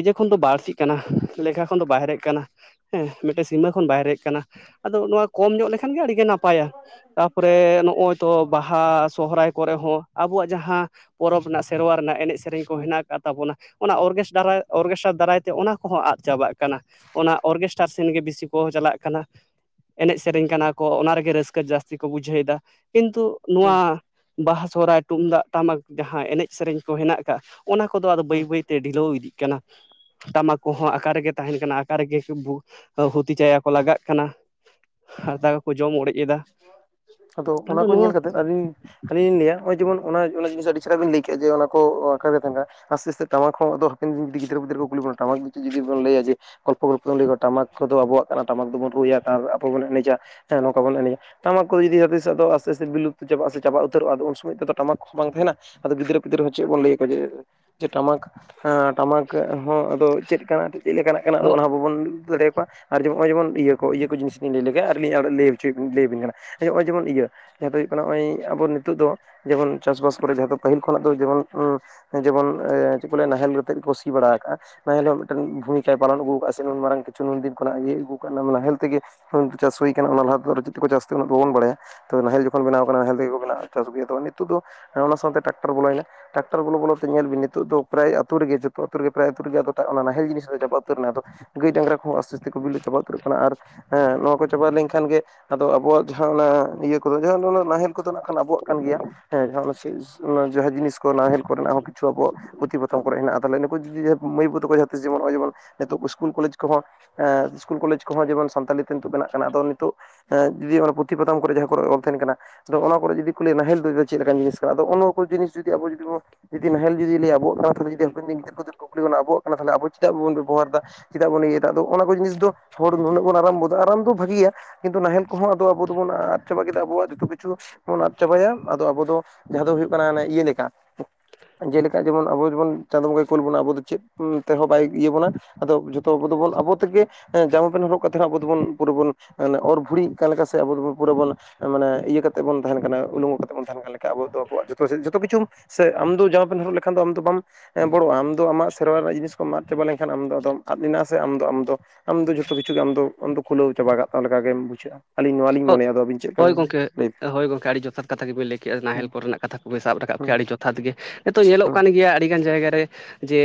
ᱤᱡᱟᱹ ᱠᱷᱚᱱ ᱫᱚ ᱵᱟᱹᱲᱛᱤᱜ ᱠᱟᱱᱟ ᱞᱮᱠᱷᱟ ᱠᱷᱚᱱ ᱫᱚ ᱵᱟᱦᱮᱨᱮᱜ ᱠᱟᱱᱟ ᱦᱮᱸ ᱢᱤᱫ ᱴᱮᱱ ᱥᱤᱢᱟᱹ ᱠᱷᱚᱱ ᱵᱟᱦᱮᱨᱮᱜ ᱠᱟᱱᱟ ᱟᱫᱚ ᱱᱚᱣᱟ ᱠᱚᱢ ᱧᱚᱜ ᱞᱮᱠᱷᱟᱱ ᱜᱮ ᱟᱹᱰᱤ ᱜᱮ ᱱᱟᱯᱟᱭᱟ ᱛᱟᱯᱚᱨᱮ ᱱᱚᱜᱼᱚᱭ ᱛᱚ ᱵᱟᱦᱟ ᱥᱚᱦᱚᱨᱟᱭ ᱠᱚᱨᱮ ᱦᱚᱸ ᱟᱵᱚᱣᱟᱜ ᱡᱟᱦᱟᱸ ᱯᱚᱨᱚᱵᱽ ᱨᱮᱱᱟᱜ ᱥᱮᱨᱣᱟ ᱨᱮᱱᱟᱜ ᱮᱱᱮᱡ ᱥᱮᱨᱮᱧ ᱠᱚ ᱦᱩᱸ ᱦᱮᱱᱟᱜ ᱠᱟᱜ ᱛᱟᱵᱚᱱᱟ ᱚᱱᱟ ᱦᱩᱸ ᱚᱨᱠᱮᱥᱴ ᱚᱨᱜᱮᱥᱴᱟᱨ ᱫᱟᱨᱟᱭ ᱛᱮ ᱚᱱᱟ ᱠᱚᱦᱚᱸ ᱟᱫ ᱪᱟᱵᱟᱜ ᱠᱟᱱᱟ ᱚᱱᱟ ᱚᱨᱜᱮᱥᱴᱟᱨ ᱥᱮᱱ ᱜᱮ ᱵᱤᱥᱤ ᱠᱚ ᱪᱟᱞᱟᱜ ᱠᱟᱱᱟ ᱮᱱᱮᱡ ᱥᱮᱨᱮᱧ ᱠᱟᱱᱟ ᱠᱚ ᱚᱱᱟ ᱨᱮᱜᱮ ᱨᱟᱹᱥᱠᱟᱹ ᱡᱟᱹᱥᱛᱤ ᱠᱚ ᱵᱩᱡᱷᱟᱹᱣ ᱮᱫᱟ ᱠᱤᱱᱛᱩ ᱦᱩᱸ ᱱᱚᱣᱟ ᱵᱟᱦᱟ ᱥᱚᱨᱦᱟᱭ ᱛᱩᱢᱫᱟᱜ ᱴᱟᱢᱟᱠ ᱡᱟᱦᱟᱸ ᱮᱱᱮᱡ ᱥᱮᱨᱮᱧ ᱠᱚ ᱦᱮᱱᱟᱜ ᱠᱟᱜᱼᱟ ᱚᱱᱟ ᱠᱚᱫᱚ ᱟᱫᱚ ᱦᱩᱸ ᱵᱟᱹᱭ ᱵᱟᱹᱭ ᱛᱮ ᱰᱷᱤᱞᱟᱹᱣ ᱤᱫᱤᱜ ᱠᱟᱱᱟ ᱴᱟᱢᱟᱠ ᱠᱚᱦᱚᱸ ᱟᱠᱟ ᱨᱮᱜᱮ ᱛᱟᱸᱦᱮᱱ ᱠᱟᱱᱟ ᱟᱠᱟ ᱨᱮᱜᱮ ᱵᱷᱩ ᱦᱩᱛᱤ ᱪᱟᱭᱟ ᱠᱚ ᱞᱟᱜᱟᱜ ᱠᱟᱱᱟ ᱦᱟᱨᱛᱟ ᱠᱚᱠᱚ ᱡᱚᱢ ᱚᱲᱮᱡ ᱮᱫᱟ ᱟᱫᱚ ᱚᱱᱟ ᱠᱚ ᱱᱚᱣᱟ ᱧᱮᱞ ᱠᱟᱛᱮᱫ ᱟᱹᱞᱤᱧ ᱟᱹᱞᱤᱧ ᱞᱤᱧ ᱞᱟᱹᱭᱟ ᱱᱚᱜᱼᱚᱭ ᱡᱮᱢᱚᱱ ᱚᱱᱟ ᱚᱱᱟ ᱡᱤᱱᱤᱥ ᱟᱹᱰᱤ ᱪᱮᱦᱮᱨᱟ ᱵᱤᱱ ᱞᱟᱹᱭ ᱠᱮᱜᱼᱟ ᱡᱮ ᱚᱱᱟ ᱠᱚ ᱟᱠᱟᱨᱮ ᱛᱟᱸᱦᱮᱱ ᱠᱟᱱᱟ ᱟᱥᱛᱮ ᱟᱥᱛᱮ ᱴᱟᱢᱟᱠ ᱦᱚᱸ ᱟᱫᱚ ᱦᱟᱯᱮᱱ ᱫᱤᱱ ᱡᱩᱫᱤ ᱜᱤᱫᱽᱨᱟᱹ ᱯᱤᱫᱽᱨᱟᱹ ᱠᱚ ᱠᱩᱞᱤ ᱵᱚᱱᱟ ᱴᱟᱢᱟᱠ ᱡᱩᱫᱤ ᱵᱚᱱ ᱞᱟᱹᱭᱟ ᱡᱮ ᱜᱚᱞᱯᱚ ᱜᱚᱞᱯᱚ ᱞᱟᱹᱭᱼᱟ ᱴᱟᱢᱟᱠ ᱠᱚᱫᱚ ᱟᱵᱚᱣᱟᱜ ᱴᱟᱢᱟᱠ ᱫᱚᱵᱚᱱ ᱨᱩᱭᱟ ᱟᱨ ᱟᱵᱚ ᱵᱚᱱ ᱮᱱᱮᱡᱟ ᱦᱮᱸ ᱱᱚᱝᱠᱟ ᱵᱚᱱ ᱮᱱᱮᱡᱟ ᱴᱟᱢᱟᱠ ᱠᱚᱫᱚ ᱡᱩᱫᱤ ᱡᱟᱸᱦᱟᱛᱤᱥ ᱦᱚᱸ ᱟᱫᱚ ᱟᱥᱛᱮ ᱟᱥᱛᱮ ᱵᱤᱞᱩᱯᱛᱚ ᱪᱟᱵᱟᱜᱼᱟ ᱥᱮ ᱪᱟᱵᱟ ᱩᱛᱟᱹᱨᱚᱜᱼᱟ ᱟᱫᱚ ᱩᱱ ᱥᱚᱢᱚᱭ ᱫᱚ ᱴᱟᱢᱟᱠ ᱵᱟᱝ ᱛᱟᱸᱦᱮᱱᱟ ᱟᱫᱚ ᱜᱤᱫᱽᱨᱟᱹ ᱯᱤᱫᱽᱨᱟᱹ ᱦᱚᱸ ᱪᱮᱫ ᱵᱚᱱ ᱞᱟ. ᱭ ᱟᱠᱚᱣᱟ ᱡᱮ ᱴᱟᱢᱟᱠ ᱦᱟᱸ ᱴᱟᱢᱟᱠ ᱦᱚᱸ ᱟᱫᱚ ᱪᱮᱫ ᱠᱟᱱᱟ ᱪᱮᱫ ᱞᱮᱠᱟᱱᱟᱜ ᱠᱟᱱᱟ ᱟᱫᱚ ᱵᱟᱵᱚᱱ ᱩᱫᱩᱜ ᱫᱟᱲᱮᱭ ᱟᱠᱚᱣᱟ ᱟᱨ ᱡᱮ ᱱᱚᱜᱼᱚᱭ ᱡᱮᱢᱚᱱ ᱤᱭᱟᱹ ᱠᱚ ᱤᱭᱟᱹ ᱠᱚ ᱡᱤᱥᱤᱧ ᱞᱟᱹᱭ ᱞᱮᱜᱮ ᱟᱨ ᱞᱤᱧ ᱞᱟᱹᱭ ᱦᱚᱪᱚ ᱞᱟᱹᱭ ᱟᱵᱤᱱ ᱠᱟᱱᱟ ᱱᱚᱜᱼᱚᱭ ᱡᱮᱢᱚᱱ ᱤᱭᱟᱹ ᱡᱟᱦᱟᱸ ᱫᱚ ᱦᱩᱭᱩᱜ ᱠᱟᱱᱟ ᱱᱚᱜᱼᱚᱭ ᱟᱵᱚ ᱱᱤᱛᱚᱜ ᱫᱚ ᱡᱮᱢᱚᱱ ᱪᱟᱥᱼᱵᱟᱥ ᱠᱚᱨᱮ ᱡᱟᱦᱟᱸ ᱫᱚ ᱯᱟᱹᱦᱤᱞ ᱠᱷᱚᱱᱟᱜ ᱫᱚ ᱡᱮᱢᱚᱱ ᱡᱮᱢᱚᱱ ᱪᱮᱫ ᱠᱚ ᱞᱟᱹᱭ ᱟ ᱱᱟᱦᱮᱞ ᱟᱛᱮᱜ ᱠᱚ ᱥᱤ ᱵᱟᱲᱟ ᱠᱟᱜᱼᱟ ᱱᱟᱦᱮᱞ ᱦᱚᱸ ᱢᱤᱫᱴᱮᱱ ᱵᱷᱩᱢᱤᱠᱟᱭ ᱯᱟᱞᱚᱱ ᱟᱹᱜᱩ ᱠᱟᱜᱼᱟ ᱥᱮ ᱱᱩᱱ ᱢᱟᱨᱟᱝ ᱠᱤᱪᱷᱩ ᱱᱩᱱᱫᱤᱱ ᱠᱷᱚᱱᱟᱜ ᱤᱭᱟᱹ ᱟᱹᱜᱩ ᱠᱟᱜᱼᱟ ᱱᱟᱦᱮᱞ ᱛᱮᱜᱮ ᱦᱩᱭ ᱪᱟᱥ ᱦᱩᱭ ᱠᱟᱱᱟ ᱚᱱᱟ ᱞᱟᱦᱟ ᱫᱚ ᱪᱮᱫ ᱛᱮᱠᱚ ᱪᱟᱥ ᱛᱮ ᱚᱱᱟ ᱫᱚ ᱵᱟᱵᱚᱱ ᱵᱟᱲᱟᱭᱟ ᱛᱚ ᱱᱟᱦᱮᱞ ᱡᱚᱠᱷᱚᱱ ᱵᱮᱱᱟᱣ ᱠᱟᱱᱟ [unintelligible] ᱪᱟᱥ ᱜᱮᱭᱟ [unintelligible] ᱱᱤᱛᱚᱜ ᱫᱚ ᱚᱱᱟ ᱥᱟᱶᱛᱮ ᱴᱟᱠᱴᱟᱨ ᱵᱚᱞᱚᱭ ᱱᱟ ᱴᱟᱠᱴᱟᱨ ᱵᱚᱞᱚ ᱵᱚᱞᱮ ᱛᱮ ᱧᱮᱞ ᱵᱤᱱ ᱱᱤᱛᱚᱜ ᱫᱚ ᱯᱨᱟᱭ ᱟᱹᱛᱩ ᱨᱮᱜᱮ ᱡᱚᱛᱚ ᱟᱹᱛᱩ ᱨᱮᱜᱮ ᱯᱨᱟᱭ ᱟᱹᱛᱩ ᱨᱮᱜᱮ ᱟᱫᱚ ᱚᱱᱟ ᱱᱟᱦᱮᱞ ᱡᱤᱱᱤᱥ ᱫᱚ ᱪᱟᱵᱟ ᱩᱛᱟᱹᱨᱮᱱᱟ ᱟᱫᱚ ᱜᱟᱹᱭ ᱰᱟᱝᱨᱟ ᱠᱚᱦᱚᱸ ᱟᱥᱛᱮ ᱟᱥᱛᱮ ᱠᱚ ᱵᱤᱞᱳ ᱪᱟᱵᱟ ᱩᱛᱟᱹᱨᱚᱜ ᱠᱟᱱᱟ ᱟᱨ ᱦᱮᱸ ᱱᱚᱣᱟ ᱠᱚ ᱪᱟᱵᱟ ᱞᱮᱱ ᱠᱷᱟᱱ ᱜᱮ ᱟᱫᱚ ᱟᱵᱚᱣᱟᱜ ᱡᱟᱦᱟᱸ ᱚᱱᱟ ᱤᱭᱟᱹ ᱠᱚᱫᱚ ᱱᱟᱦᱮᱞ ᱠᱚᱫᱚ ᱱᱟᱜ ᱠᱷᱟᱱ ᱟᱵᱚᱣᱟᱜ ᱠᱟᱱ ᱜᱮᱭᱟ ᱦᱮᱸ- ᱚᱱᱟ ᱡᱟᱦᱟᱸ ᱡᱤᱱᱤᱥ ᱠᱚ ᱱᱟᱦᱮᱞ ᱠᱚᱨᱮᱱᱟᱜ ᱦᱚᱸ ᱠᱤᱪᱷᱩ ᱟᱵᱚ ᱯᱩᱛᱷᱤ ᱯᱟᱛᱷᱟᱢ ᱠᱚᱨᱮ ᱢᱮᱱᱟᱜᱼᱟ ᱛᱟᱦᱚᱞᱮ ᱱᱩᱠᱩ ᱡᱩᱫᱤ ᱢᱟᱹᱭ ᱵᱟᱹᱵᱩ ᱛᱟᱠᱚ ᱡᱷᱚᱛᱚ ᱡᱮᱢᱚᱱ ᱦᱚᱸᱜᱼᱚᱭ ᱡᱮᱢᱚᱱ ᱱᱤᱛᱚᱜ ᱤᱥᱠᱩᱞ ᱠᱚᱞᱮᱡᱽ ᱠᱚᱦᱚᱸ ᱮᱸ ᱤᱥᱠᱩᱞ ᱠᱚᱞᱮᱡᱽ ᱠᱚᱦᱚᱸ ᱡᱮᱢᱚᱱ ᱛᱟᱞᱤ ᱛᱮ ᱱᱤᱛᱚᱜ ᱱᱟᱜ ᱠᱟᱱᱟ ᱟᱫᱚ ᱱᱤᱛᱚᱜ ᱡᱩᱫᱤ ᱚᱱᱟ ᱯᱩᱛᱷᱤ ᱯᱟᱛᱷᱟᱢ ᱠᱚᱨᱮ ᱡᱟᱦᱟᱸ ᱠᱚᱨᱮ ᱚᱞ ᱛᱟᱸᱦᱮᱱ ᱠᱟᱱᱟ ᱟᱫᱚ ᱚᱱᱟ ᱠᱚᱨᱮ ᱡᱩᱫᱤ ᱠᱚ ᱞᱟᱹᱭ ᱱᱟᱦᱮᱞ ᱫᱚ ᱪᱮᱫ ᱞᱮᱠᱟᱱ ᱡᱤᱱᱤᱥ ᱠᱟᱱᱟ ᱟᱫᱚ ᱚᱱᱟ ᱠᱚ ᱡᱤᱱᱤᱥ ᱡᱩᱫᱤ ᱟᱵᱚ ᱡᱩᱫᱤ ᱵᱚ ᱡᱩᱫᱤ ᱱᱟᱦᱮᱞ ᱡᱩᱫᱤ ᱞᱮᱭᱟᱭ ᱟᱵᱚᱣᱟᱜ [unintelligible] ᱫᱤᱱ ᱜᱤᱫᱨᱟᱹᱨ ᱯᱤᱫᱟᱹᱨ ᱠᱩᱠᱞᱤ ᱵᱚᱱᱟ ᱟᱵᱚᱣᱟᱜ ᱠᱟᱱᱟ ᱛᱟᱦᱚᱞᱮ ᱟᱵᱚ ᱪᱮᱫᱟᱜ ᱵᱚᱱ ᱵᱮᱵᱚᱦᱟᱨ ᱫᱟ ᱪᱮᱫᱟᱜ ᱵᱚᱱ ᱤᱭᱟᱹᱭ ᱫᱟ ᱦᱚᱸᱜᱼᱱᱟ ᱡᱤᱱᱤᱥ ᱫᱚ ᱦᱚᱲ ᱱᱩᱱᱟᱹᱜ ᱟᱨᱟᱢ ᱜᱚᱫᱟ ᱟᱨᱟᱢ ᱫᱚ ᱵᱷᱟᱹᱜᱤᱭᱟ ᱠᱤᱱᱛᱩ ᱱᱟᱦᱮᱞ ᱠᱚᱦᱚᱸ ᱟᱵᱚ ᱫᱚᱵᱚᱱ ᱟᱫ ᱪᱟᱵᱟ ᱠᱮᱫᱟ ᱟᱵᱚᱣᱟᱜ ᱡᱚᱛᱚ ᱠᱤᱪᱷᱩ ᱵᱚᱱ ᱟᱫ ᱪᱟᱵᱟᱭᱟ ᱟᱫᱚ ᱟᱵᱚ ᱫᱚ ᱡᱟᱦᱟᱸ ᱫᱚ ᱦᱩᱭᱩᱜ ᱠᱟᱱᱟ ᱚᱱᱮ ᱤᱭᱟᱹ ᱞᱮᱠᱟ ᱡᱮᱞᱮᱠᱟ ᱡᱮᱢᱚᱱ ᱟᱵᱚ ᱡᱮᱢᱚᱱ ᱪᱟᱸᱫᱳ ᱜᱚᱸᱠᱮ ᱠᱳᱩᱞ ᱵᱚᱱᱟ ᱟᱵᱚ ᱫᱚ ᱪᱮᱫ ᱛᱮᱦᱚᱸ ᱵᱟᱭ ᱤᱭᱟᱹ ᱵᱚᱱᱟ ᱟᱫᱚ ᱡᱷᱚᱛᱚ ᱟᱵᱚᱫᱚᱱ ᱟᱵᱚ ᱛᱮᱜᱮ ᱡᱟᱢᱚ ᱯᱮᱱ ᱦᱚᱨᱚᱜ ᱟᱵᱚ ᱫᱚᱵᱚᱱ ᱯᱩᱨᱟᱹ ᱵᱚᱱ ᱚᱨ ᱵᱷᱩᱤᱜ ᱠᱟᱱ ᱥᱮ ᱟᱵᱚᱫᱚᱱ ᱯᱩᱨᱟᱹ ᱵᱚᱱ ᱢᱟᱱᱮ ᱤᱭᱟᱹ ᱠᱟᱛᱮᱜ ᱵᱚᱱ ᱛᱟᱦᱮᱱ ᱠᱟᱱᱟ ᱩᱞᱚᱝᱜᱚ ᱠᱟᱛᱮᱜ ᱵᱚᱱ ᱛᱟᱦᱮᱱ ᱠᱟᱱᱟ᱾ [inaudible] ᱚ ᱡᱚᱛᱚ ᱠᱤᱪᱷᱩ ᱥᱮ ᱟᱢ ᱫᱚ ᱡᱟᱢᱟ ᱯᱮᱱ ᱦᱚᱨᱚᱜ ᱞᱮᱠᱷᱟᱱ ᱫᱚ ᱵᱟᱢ ᱵᱚᱲᱚᱜᱼᱟ ᱟᱢ ᱫᱚ ᱟᱢᱟᱜ ᱥᱮᱨᱣᱟ ᱨᱮᱱᱟᱜ ᱡᱤᱱᱤᱥ ᱠᱚᱢ ᱟᱫ ᱪᱟᱵᱟ ᱞᱮᱱᱠᱷᱟᱱ ᱟᱢ ᱫᱚ ᱟᱫᱚᱢ ᱟᱫᱮᱱᱟ ᱥᱮ ᱟᱢ ᱫᱚ ᱟᱢ ᱫᱚ ᱟᱢ ᱡᱚᱛᱚ ᱠᱤᱪᱷᱩ ᱜᱮ ᱟᱢ ᱫᱚ ᱟᱢ ᱫᱚ ᱠᱷᱩᱞᱟᱹᱣ ᱪᱟᱵᱟ ᱠᱟᱜᱛᱟᱢ ᱞᱮᱠᱟ ᱜᱮᱢ ᱵᱩᱡᱷᱟᱹᱜᱼᱟ ᱟᱞᱤᱧ ᱱᱟᱣᱟ ᱞᱤᱧ ᱢᱚᱱᱮᱭᱟ ᱟᱫᱚ ᱟᱵᱤᱱ ᱪᱮᱫ ᱞᱮᱠᱟ ᱦᱳᱭ ᱜᱚᱝᱠᱮ [inaudible] ᱦᱳᱭ ᱜᱚᱢᱠᱮ ᱟᱹᱰᱤ ᱡᱚᱛᱷᱟᱛ ᱠᱟᱛᱷᱟ ᱜᱮᱵᱤᱱ ᱞᱟᱹᱭ ᱠᱮᱜᱼᱟ ᱱᱟᱦᱮᱞ ᱦᱩᱸ ᱠᱚᱨᱮᱱᱟᱜ ᱠᱟᱛᱷᱟ ᱠᱚᱵᱤᱱ ᱥᱟᱵ ᱨᱟᱠᱟᱵ ᱠᱮᱜᱼᱟ ᱦᱩᱸ ᱟᱹᱰᱤ ᱡᱚᱛᱷᱟᱛ ᱜᱮ ᱱᱤᱛᱚᱜ ᱧᱮᱞᱚᱜ ᱠᱟᱱ ᱜᱮᱭᱟ ᱟᱹᱰᱤᱜᱟᱱ ᱡᱟᱭᱜᱟ ᱨᱮ ᱡᱮ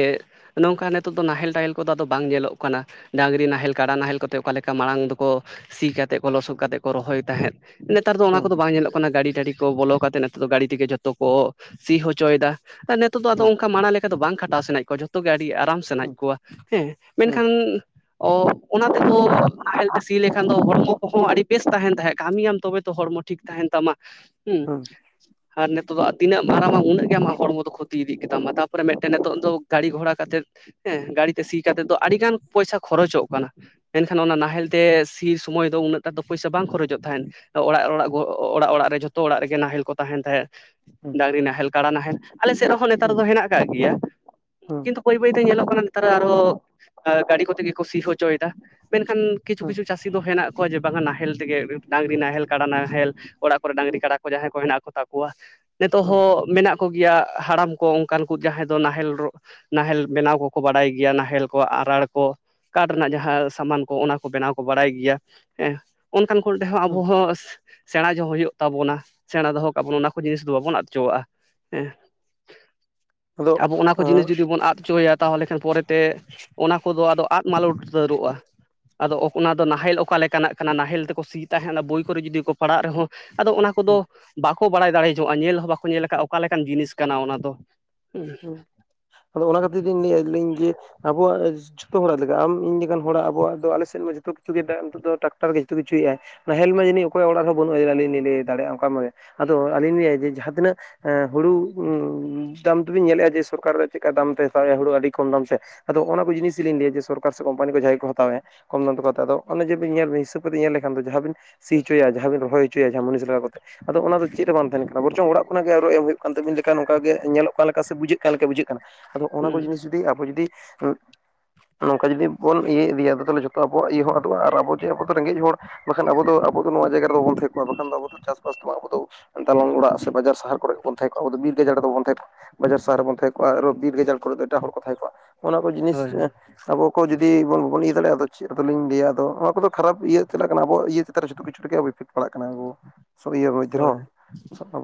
ᱱᱚᱝᱠᱟ ᱱᱤᱛᱚᱜ ᱫᱚ ᱱᱟᱦᱮᱞ ᱛᱟᱦᱮ ᱠᱚᱫᱚ ᱵᱟᱝ ᱧᱮᱞᱚᱜ ᱠᱟᱱᱟ ᱰᱟᱹᱝᱨᱤ ᱱᱟᱦᱮᱞ ᱠᱟᱰᱟ ᱱᱟᱦᱮᱞ ᱠᱚᱛᱮ ᱚᱠᱟ ᱞᱮᱠᱟ ᱢᱟᱲᱟᱝ ᱫᱚᱠᱚ ᱥᱤ ᱠᱟᱛᱮᱫ ᱠᱚ ᱞᱚᱥᱚᱫ ᱠᱟᱛᱮ ᱠᱚ ᱨᱚᱦᱚᱭ ᱛᱟᱦᱮᱸᱫ ᱱᱮᱛᱟᱨ ᱫᱚ ᱚᱱᱟ ᱦᱩᱸ ᱠᱚᱫᱚ ᱵᱟᱝ ᱧᱮᱞᱚᱜ ᱠᱟᱱᱟ ᱜᱟᱹᱰᱤ ᱴᱟᱹᱰᱤ- ᱛᱚ ᱵᱚᱞᱚ ᱠᱟᱛᱮᱜ ᱱᱤᱛᱚᱜ ᱫᱚ ᱜᱟᱹᱰᱤ ᱛᱮᱜᱮ ᱡᱚᱛᱚ ᱠᱚ ᱥᱤ ᱦᱚᱪᱚᱭ ᱮᱫᱟ᱾ ᱡᱚᱛᱚ ᱫᱚ ᱟᱫᱚ ᱦᱩᱸ ᱚᱱᱠᱟ ᱢᱟᱲᱟᱝ ᱞᱮᱠᱟ -ᱫᱚ ᱵᱟᱲᱟ ᱞᱮᱠᱟ ᱫᱚ ᱵᱟᱝ ᱠᱷᱟᱴᱟᱣ ᱥᱟᱱᱟᱮᱫ ᱠᱚᱣᱟ ᱡᱚᱛᱚ ᱜᱮ ᱟᱹᱰᱤ ᱟᱨᱟᱢ ᱥᱟᱱᱟᱭᱮᱫ ᱦᱩᱸ ᱠᱚᱣᱟ᱾ ᱦᱮᱸ ᱦᱩᱸ ᱢᱮᱱᱠᱷᱟᱱ ᱚ, ᱚᱱᱟ ᱛᱮᱦᱚᱸ ᱥᱤ ᱞᱮᱠᱷᱟᱱ ᱫᱚ ᱦᱚᱲᱢᱚ ᱠᱚᱦᱚᱸ ᱟᱹᱰᱤ ᱵᱮᱥ ᱛᱟᱦᱮᱱ ᱛᱟᱦᱮᱸᱫ ᱠᱟᱹᱢᱤᱭᱟᱢ ᱛᱚᱵᱮ ᱛᱚ ᱦᱚᱲᱢᱚ ᱴᱷᱤᱠ ᱛᱟᱦᱮᱱ ᱛᱟᱢᱟ ᱦᱩᱸ ᱟᱨ ᱱᱤᱛᱚᱜ ᱫᱚ ᱛᱤᱱᱟᱹᱜ ᱮᱢ ᱟᱨᱟᱢᱟ ᱩᱱᱟᱹᱜ ᱜᱮ ᱟᱢᱟᱜ ᱦᱚᱲᱢᱚ ᱫᱚ ᱠᱷᱩᱛᱤᱜ ᱛᱤ ᱤᱫᱤᱜ ᱜᱮᱛᱟᱢᱟ ᱛᱟᱯᱚᱨᱮ ᱢᱤᱫᱴᱮᱱ ᱱᱤᱛᱚᱜ ᱫᱚ ᱜᱟᱹᱲᱤ ᱜᱷᱚᱲᱟ ᱠᱟᱛᱮᱫ ᱦᱮᱸ ᱜᱟᱹᱲᱤ ᱛᱮ ᱥᱤ ᱠᱟᱛᱮᱫ ᱫᱚ ᱟᱹᱰᱤ ᱜᱟᱱ ᱯᱚᱭᱥᱟ ᱠᱷᱚᱨᱚᱪᱚᱜ ᱠᱟᱱᱟ ᱢᱮᱱᱠᱷᱟᱱ ᱚᱱᱟ ᱱᱟᱦᱮᱞ ᱛᱮ ᱥᱤ ᱥᱚᱢᱚᱭ ᱫᱚ ᱩᱱᱟᱹᱜ ᱴᱟ ᱫᱚ ᱯᱚᱭᱥᱟ ᱵᱟᱝ ᱠᱷᱚᱨᱚᱪᱚᱜ ᱛᱟᱦᱮᱸᱫ ᱚᱲᱟᱜ ᱚᱲᱟᱜ ᱚᱲᱟᱜ ᱚᱲᱟᱜ ᱨᱮ ᱡᱷᱚᱛᱚ ᱚᱲᱟᱜ ᱨᱮᱜᱮ ᱱᱟᱦᱮᱞ ᱠᱚ ᱛᱟᱦᱮᱱ ᱛᱟᱦᱮᱸᱫ ᱰᱟᱝᱨᱤ ᱱᱟᱦᱮᱞ ᱠᱟᱲᱟ ᱱᱟᱦᱮᱞ ᱟᱞᱮ ᱥᱮᱫ ᱨᱮᱦᱚᱸ ᱱᱮᱛᱟᱨ ᱦᱩᱸ ᱫᱚ ᱦᱮᱱᱟᱜ ᱠᱟᱜ ᱜᱮᱭᱟ ᱦᱩᱸ ᱠᱤᱱᱛᱩ ᱵᱟᱹᱭ ᱵᱟᱹᱭ ᱛᱮ ᱧᱮᱞᱚᱜ ᱠᱟᱱᱟ ᱱᱮᱛᱟᱨ ᱫᱚ ᱟᱨᱚᱦᱚ ᱜᱟᱹᱰᱤ ᱠᱚᱛᱮ ᱜᱮ ᱠᱚ ᱥᱤ ᱦᱚᱪᱚᱭᱮᱫᱟ ᱢᱮᱱᱠᱷᱟᱱ ᱠᱤᱪᱷᱩ ᱦᱩᱸ ᱠᱤᱪᱷᱩ ᱪᱟᱹᱥᱤ ᱫᱚ ᱦᱮᱱᱟᱜ ᱠᱚᱣᱟ ᱡᱮ ᱵᱟᱠᱷᱟᱱ ᱱᱟᱦᱮᱞ ᱛᱮᱜᱮ ᱰᱟᱝᱨᱤ ᱱᱟᱦᱮᱞ ᱠᱟᱰᱟ ᱱᱟᱦᱮᱞ ᱚᱲᱟᱜ ᱠᱚᱨᱮ ᱰᱟᱝᱨᱤ ᱠᱟᱰᱟ ᱠᱚ ᱡᱟᱦᱟᱸᱭ ᱠᱚ ᱦᱮᱱᱟᱜ ᱠᱚᱛᱟ ᱠᱚᱣᱟ ᱱᱤᱛᱚᱜ ᱦᱩᱸ ᱦᱚᱸ ᱢᱮᱱᱟᱜ ᱠᱚᱜᱮᱭᱟ ᱦᱟᱲᱟᱢ ᱠᱚ ᱚᱱᱠᱟᱱ ᱠᱚ ᱡᱟᱦᱟᱸᱭ ᱫᱚ ᱱᱟᱦᱮᱞ ᱨᱚᱜ ᱱᱟᱦᱮᱞ ᱵᱮᱱᱟᱣ ᱠᱚᱠᱚ ᱵᱟᱲᱟᱭ ᱜᱮᱭᱟ ᱱᱟᱦᱮᱞ ᱠᱚ ᱟᱨᱟᱬ ᱠᱚ ᱠᱟᱴ ᱨᱮᱱᱟᱜ ᱡᱟᱦᱟᱸ ᱥᱟᱢᱟᱱ ᱠᱚ ᱚᱱᱟ ᱠᱚ ᱵᱮᱱᱟᱣ ᱠᱚ ᱵᱟᱲᱟᱭ ᱜᱮᱭᱟ᱾ ᱦᱮᱸ ᱚᱱᱠᱟᱱ ᱠᱚᱨᱮᱦᱚᱸ ᱦᱩᱸ ᱟᱵᱚᱦᱟ ᱥᱮ ᱥᱮᱬᱟ ᱫᱚᱦᱚ ᱦᱩᱭᱩᱜ ᱛᱟᱵᱚᱱᱟ ᱥᱮᱬᱟ ᱫᱚᱦᱚ ᱠᱟᱜᱵᱚᱱᱟ ᱚᱱᱟ ᱠᱚ ᱡᱤᱱᱤᱥ ᱫᱚ ᱵᱟᱵᱚᱱ ᱟᱫᱪᱚᱣᱟᱜᱼᱟ ᱦᱮᱸ [inaudible] ᱟᱫᱚ ᱟᱵᱚ ᱚᱱᱟ ᱠᱚ ᱡᱤᱱᱤᱥ ᱟᱸ ᱡᱩᱫᱤ ᱵᱚᱱ ᱟᱫ ᱦᱚᱪᱚᱭᱟ ᱛᱟᱦᱚᱞᱮ ᱠᱷᱟᱱ ᱯᱚᱨᱮᱛᱮ ᱚᱱᱟ ᱠᱚᱫᱚ ᱟᱫᱚ ᱟᱫ ᱢᱟᱞᱟᱞᱴ ᱩᱛᱟᱹᱨᱚᱜᱼᱟ ᱟᱫᱚ ᱚᱱᱟ ᱫᱚ ᱱᱟᱦᱮᱞ ᱚᱠᱟ ᱞᱮᱠᱟ ᱠᱟᱱᱟ ᱱᱟᱦᱮᱞ ᱛᱮᱠᱚ ᱥᱤ ᱛᱟᱦᱮᱸᱫ ᱵᱳᱭ ᱠᱚᱨᱮ ᱡᱩᱫᱤ ᱠᱚ ᱯᱟᱲᱟᱜ ᱨᱮᱦᱚᱸ ᱟᱫᱚ ᱚᱱᱟ ᱠᱚᱫᱚ ᱵᱟ ᱵᱟᱠᱚ ᱵᱟᱲᱟᱭ ᱫᱟᱲᱮ ᱧᱚᱜᱼᱟ ᱧᱮᱞ ᱦᱚᱸ ᱵᱟᱠᱚ ᱧᱮᱞ ᱟᱠᱟᱫᱼᱟ ᱚᱠᱟ ᱞᱮᱠᱟᱱ ᱡᱤᱱᱤᱥ ᱠᱟᱱᱟ ᱚᱱᱟ ᱫᱚ [unintelligible] ᱟᱫᱚ ᱚᱱᱟ ᱠᱷᱟᱹᱛᱤᱨ ᱞᱤᱧ ᱞᱟᱹᱭᱤᱧ ᱡᱮ ᱟᱵᱚᱣᱟᱜ ᱡᱚᱛᱚ ᱦᱚᱲᱟᱜ ᱞᱮᱠᱟ ᱟᱢ ᱤᱧ ᱞᱮᱠᱟᱱ ᱦᱚᱲᱟᱜ ᱟᱵᱚᱣᱟᱜ ᱫᱚ ᱟᱞᱮᱥᱮᱫ ᱢᱟ ᱡᱚᱛᱚ ᱠᱤᱪᱷᱩ ᱜᱮ ᱫᱟ ᱱᱤᱛᱚᱜ ᱫᱚ ᱴᱟᱠᱴᱟᱨ ᱜᱮ ᱡᱚᱛᱚ ᱠᱤᱪᱷᱩᱮᱫ ᱟᱭ ᱱᱟᱦᱮᱞ ᱢᱟ ᱡᱟᱹᱱᱤᱡ ᱚᱠᱚᱭᱟᱜ ᱚᱲᱟᱜ ᱨᱮᱦᱚᱸ ᱵᱟᱹᱱᱩᱜᱼᱟ ᱟᱞᱤᱧ ᱞᱤᱝ ᱞᱟᱹᱭ ᱫᱟᱲᱮᱭᱟᱜᱼᱟ ᱚᱝᱠᱟ ᱢᱚ ᱟᱫᱚ ᱟᱹᱞᱤᱧ ᱞᱟᱹᱭᱟ ᱡᱮ ᱡᱟᱦᱟᱸ ᱛᱤᱱᱟᱹᱜ ᱦᱩᱲᱩ ᱫᱟᱢ ᱟᱩᱫᱵᱧ [inaudible] ᱧᱮᱞᱮᱜᱼᱟ ᱡᱮ ᱥᱚᱨᱠᱟᱨ ᱪᱮᱫᱠᱟ ᱫᱟᱢᱛᱮ ᱦᱟᱛᱟᱣᱮᱫᱼᱟ ᱦᱩᱲᱩ ᱟᱹᱰᱤ ᱠᱚᱢ ᱫᱟᱢ ᱛᱮ ᱟᱫᱚ ᱚᱱᱟ ᱠᱚ ᱡᱤᱱᱤᱥ ᱞᱤᱧ ᱞᱟᱹᱭᱟ ᱡᱮ ᱥᱚᱨᱠᱟᱨ ᱥᱮ ᱠᱚᱢᱯᱟᱱᱤ ᱡᱟᱦᱟᱸᱭ ᱠᱚ ᱦᱟᱛᱟᱣᱮᱫᱼᱟ ᱠᱚᱢ ᱫᱟᱢ ᱛᱮᱠᱚ ᱦᱟᱛᱟᱣ ᱫᱚ ᱟᱫᱚ ᱚᱱᱮ ᱡᱮᱵᱤᱱ ᱧᱮᱞ ᱵᱤᱱ ᱦᱤᱥᱟᱹᱵ ᱠᱟᱛᱮ ᱧᱮᱞ ᱞᱮᱠᱷᱟᱱ ᱫᱚ ᱡᱟᱦᱟᱸ ᱵᱤᱱ ᱥᱤ ᱦᱚᱪᱚᱭᱟ, ᱡᱟᱦᱟᱸ ᱵᱤᱱ ᱨᱚᱦᱚᱭ ᱦᱚᱪᱮᱭᱟ, ᱡᱟᱦᱟᱸ ᱢᱩᱱᱤᱥ ᱞᱟᱜ ᱠᱟᱛᱮ ᱟᱫᱚ ᱚᱱᱟ ᱫᱚ ᱪᱮᱫ ᱨᱮ ᱵᱟᱝ ᱛᱟᱦᱮᱱ ᱠᱟᱱᱟ ᱵᱚᱨᱪᱚᱝ ᱚᱲᱟᱜ ᱠᱷᱚᱱᱟᱜ ᱜᱮ ᱟᱨᱚ ᱮᱢ ᱦᱩᱭᱩᱜ ᱠᱟᱱ ᱛᱟᱵᱤᱱᱠᱷᱟᱱ ᱚᱱᱠᱟ ᱜᱮ ᱧᱮᱞᱚᱜ ᱚᱠᱟ ᱞᱮᱠᱟ ᱥᱮ ᱵᱩᱡᱷᱟᱹᱜ ᱠᱟᱱ ᱞᱮᱠᱟ ᱵᱩᱡᱷᱟᱹᱜ ᱠᱟᱱᱟ ᱟᱫᱚ ᱚᱱᱟ ᱦᱩᱸ ᱠᱚ ᱡᱤᱱᱤᱥ ᱡᱩᱤ ᱟᱵᱚ ᱡᱩᱫᱤ ᱱᱚᱝᱠᱟ ᱡᱩᱫᱤ ᱵᱚᱱ ᱤᱭᱟᱹ ᱤᱫᱤᱭᱟ ᱟᱫᱚ ᱛᱟᱞᱦᱮ ᱡᱷᱚᱛᱚ ᱟᱵᱚᱣᱟᱜ ᱤᱭᱟᱹ ᱦᱚᱸ ᱟᱫᱚᱜᱼᱟ ᱟᱨ ᱟᱵᱚ ᱡᱮ ᱟᱵᱚᱫᱚ ᱨᱮᱸᱜᱮᱡ ᱦᱚᱲ ᱵᱟᱠᱷᱟᱱ ᱟᱵᱚ ᱟᱵᱚ ᱫᱚ ᱱᱚᱣᱟ ᱡᱟᱭᱜᱟ ᱨᱮᱫᱚᱵᱚᱱ ᱛᱟᱦᱮᱸᱜᱼᱟ ᱵᱟᱠᱷᱟᱱ ᱫᱚ ᱟᱵᱚ ᱫᱚ ᱪᱟᱥᱵᱟᱥ ᱫᱚ ᱟᱵᱚ ᱫᱚ ᱫᱟᱞᱚᱝ ᱚᱲᱟᱜ ᱥᱮ ᱵᱟᱡᱟᱨ ᱥᱟᱦᱟᱨ ᱠᱚᱨᱮ ᱜᱮᱵᱚᱱ ᱛᱟᱦᱮᱸ ᱠᱚᱜᱼᱟ ᱟᱵᱚ ᱵᱤᱨ ᱜᱟᱡᱟᱲ ᱨᱮᱵᱟᱵᱚᱱ ᱛᱟᱦᱮ ᱠᱚᱼᱟ ᱵᱟᱡᱟᱨ ᱥᱟᱦᱟᱨ ᱨᱮᱵᱚᱱ ᱛᱟᱦᱮᱸ ᱠᱚᱜᱼᱟ ᱟᱨᱚ ᱵᱤᱨ ᱜᱟᱡᱟᱲ ᱠᱚᱨᱮ ᱫᱚ ᱮᱴᱟᱜ ᱦᱚᱲ ᱠᱚ ᱛᱟᱦᱮᱸ ᱠᱚᱜᱼᱟ ᱚᱱᱟ ᱠᱚ ᱡᱤᱱᱤᱥ ᱦᱳᱭ ᱮᱸ ᱦᱳᱭ ᱟᱵᱚ ᱠᱚ ᱡᱩᱫᱤ ᱵᱟᱵᱚᱱ ᱤᱭᱟᱹ ᱫᱟᱲᱮᱭᱟᱜᱼᱟ ᱪᱮᱫ ᱫᱚᱞᱤᱧ ᱞᱟᱹᱭᱟ ᱟᱫᱚ ᱚᱱᱟ ᱠᱚᱫᱚ ᱠᱷᱟᱨᱟᱯ ᱤᱭᱟᱹ ᱪᱟᱞᱟᱜ ᱠᱟᱱᱟ ᱟᱵᱚ ᱤᱭᱟᱹ ᱪᱮᱛᱟᱱ ᱡᱷᱚᱛᱚ ᱠᱤᱪᱷᱩ ᱨᱮᱜᱮ [inaudible] ᱯᱟᱲᱟᱜ ᱠᱟᱱᱟ ᱤᱭᱟᱹᱨᱚ ᱦᱳᱭ [inaudible]